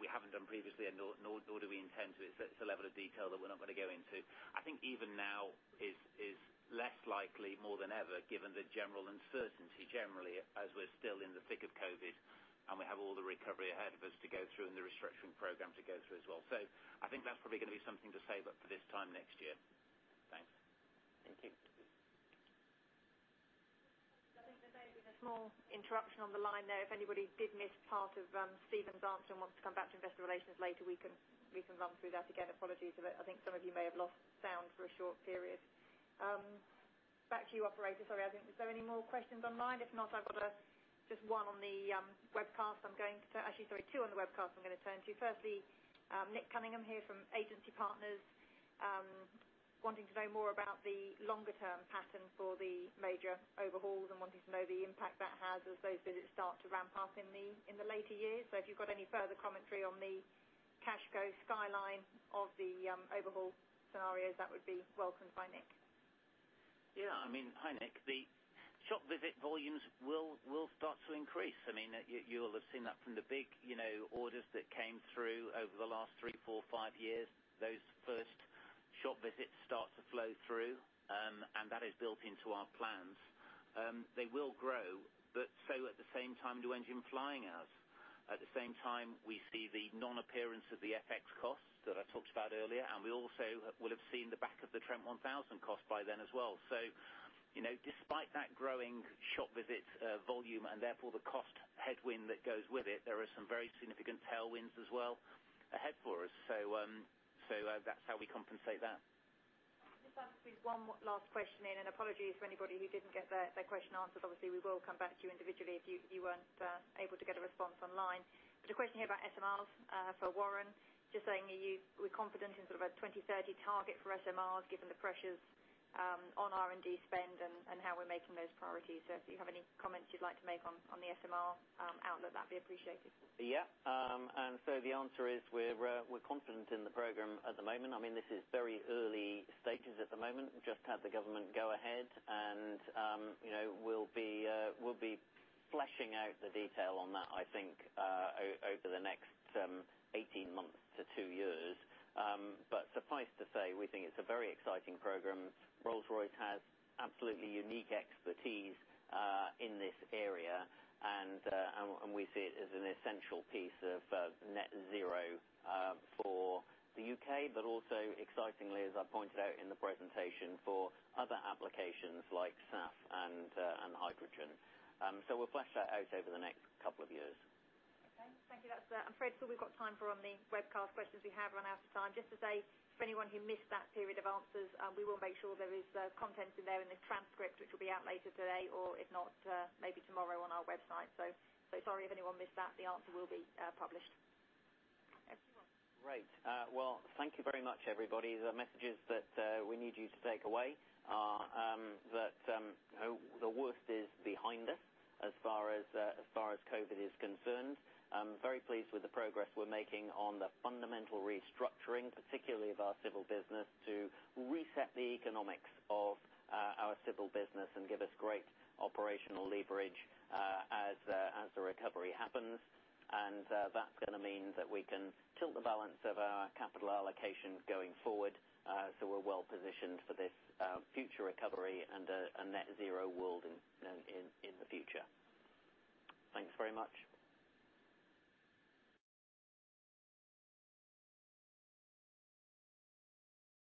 We haven't done previously, and nor do we intend to. It's a level of detail that we're not going to go into. I think even now is less likely more than ever, given the general uncertainty generally, as we're still in the thick of COVID, and we have all the recovery ahead of us to go through and the restructuring program to go through as well. I think that's probably going to be something to save up for this time next year. Thanks. Thank you. I think there may have been a small interruption on the line there. If anybody did miss part of Stephen's answer and wants to come back to investor relations later, we can run through that again. Apologies for that. I think some of you may have lost sound for a short period. Back to you, operator. Sorry, I think, were there any more questions on the line? If not, I've got just two on the webcast I'm going to turn to. Firstly, Nick Cunningham here from Agency Partners, wanting to know more about the longer-term pattern for the major overhauls and wanting to know the impact that has as those visits start to ramp up in the later years. If you've got any further commentary on the cash flow guideline of the overhaul scenarios, that would be welcomed by Nick. Yeah. Hi, Nick. The shop visit volumes will start to increase. You will have seen that from the big orders that came through over the last three, four, five years. Those first shop visits start to flow through, and that is built into our plans. They will grow, but so at the same time do engine flying hours. At the same time, we see the non-appearance of the FX costs that I talked about earlier, and we also will have seen the back of the Trent 1000 cost by then as well. Despite that growing shop visit volume, and therefore the cost headwind that goes with it, there are some very significant tailwinds as well ahead for us. That's how we compensate that. I'll just squeeze one last question in, and apologies for anybody who didn't get their question answered. Obviously, we will come back to you individually if you weren't able to get a response online. A question here about SMRs for Warren. Just saying, are we confident in sort of a 2030 target for SMRs, given the pressures on R&D spend and how we're making those priorities? If you have any comments you'd like to make on the SMR outlook, that'd be appreciated. The answer is, we're confident in the program at the moment. This is very early stages at the moment. Just had the government go ahead and we'll be fleshing out the detail on that, I think, over the next 18 months to two years. Suffice to say, we think it's a very exciting program. Rolls-Royce has absolutely unique expertise in this area, and we see it as an essential piece of net zero for the U.K., but also excitingly, as I pointed out in the presentation, for other applications like SAF and hydrogen. We'll flesh that out over the next couple of years. Okay. Thank you. I'm afraid that's all we've got time for on the webcast questions. We have run out of time. Just to say, for anyone who missed that period of answers, we will make sure there is content in there in the transcript, which will be out later today or if not, maybe tomorrow on our website. Sorry if anyone missed that. The answer will be published. Thanks, everyone. Great. Well, thank you very much, everybody. The messages that we need you to take away are that the worst is behind us as far as COVID is concerned. I'm very pleased with the progress we're making on the fundamental restructuring, particularly of our Civil business, to reset the economics of our Civil business and give us great operational leverage as the recovery happens. That's going to mean that we can tilt the balance of our capital allocation going forward. We're well positioned for this future recovery and a net zero world in the future. Thanks very much.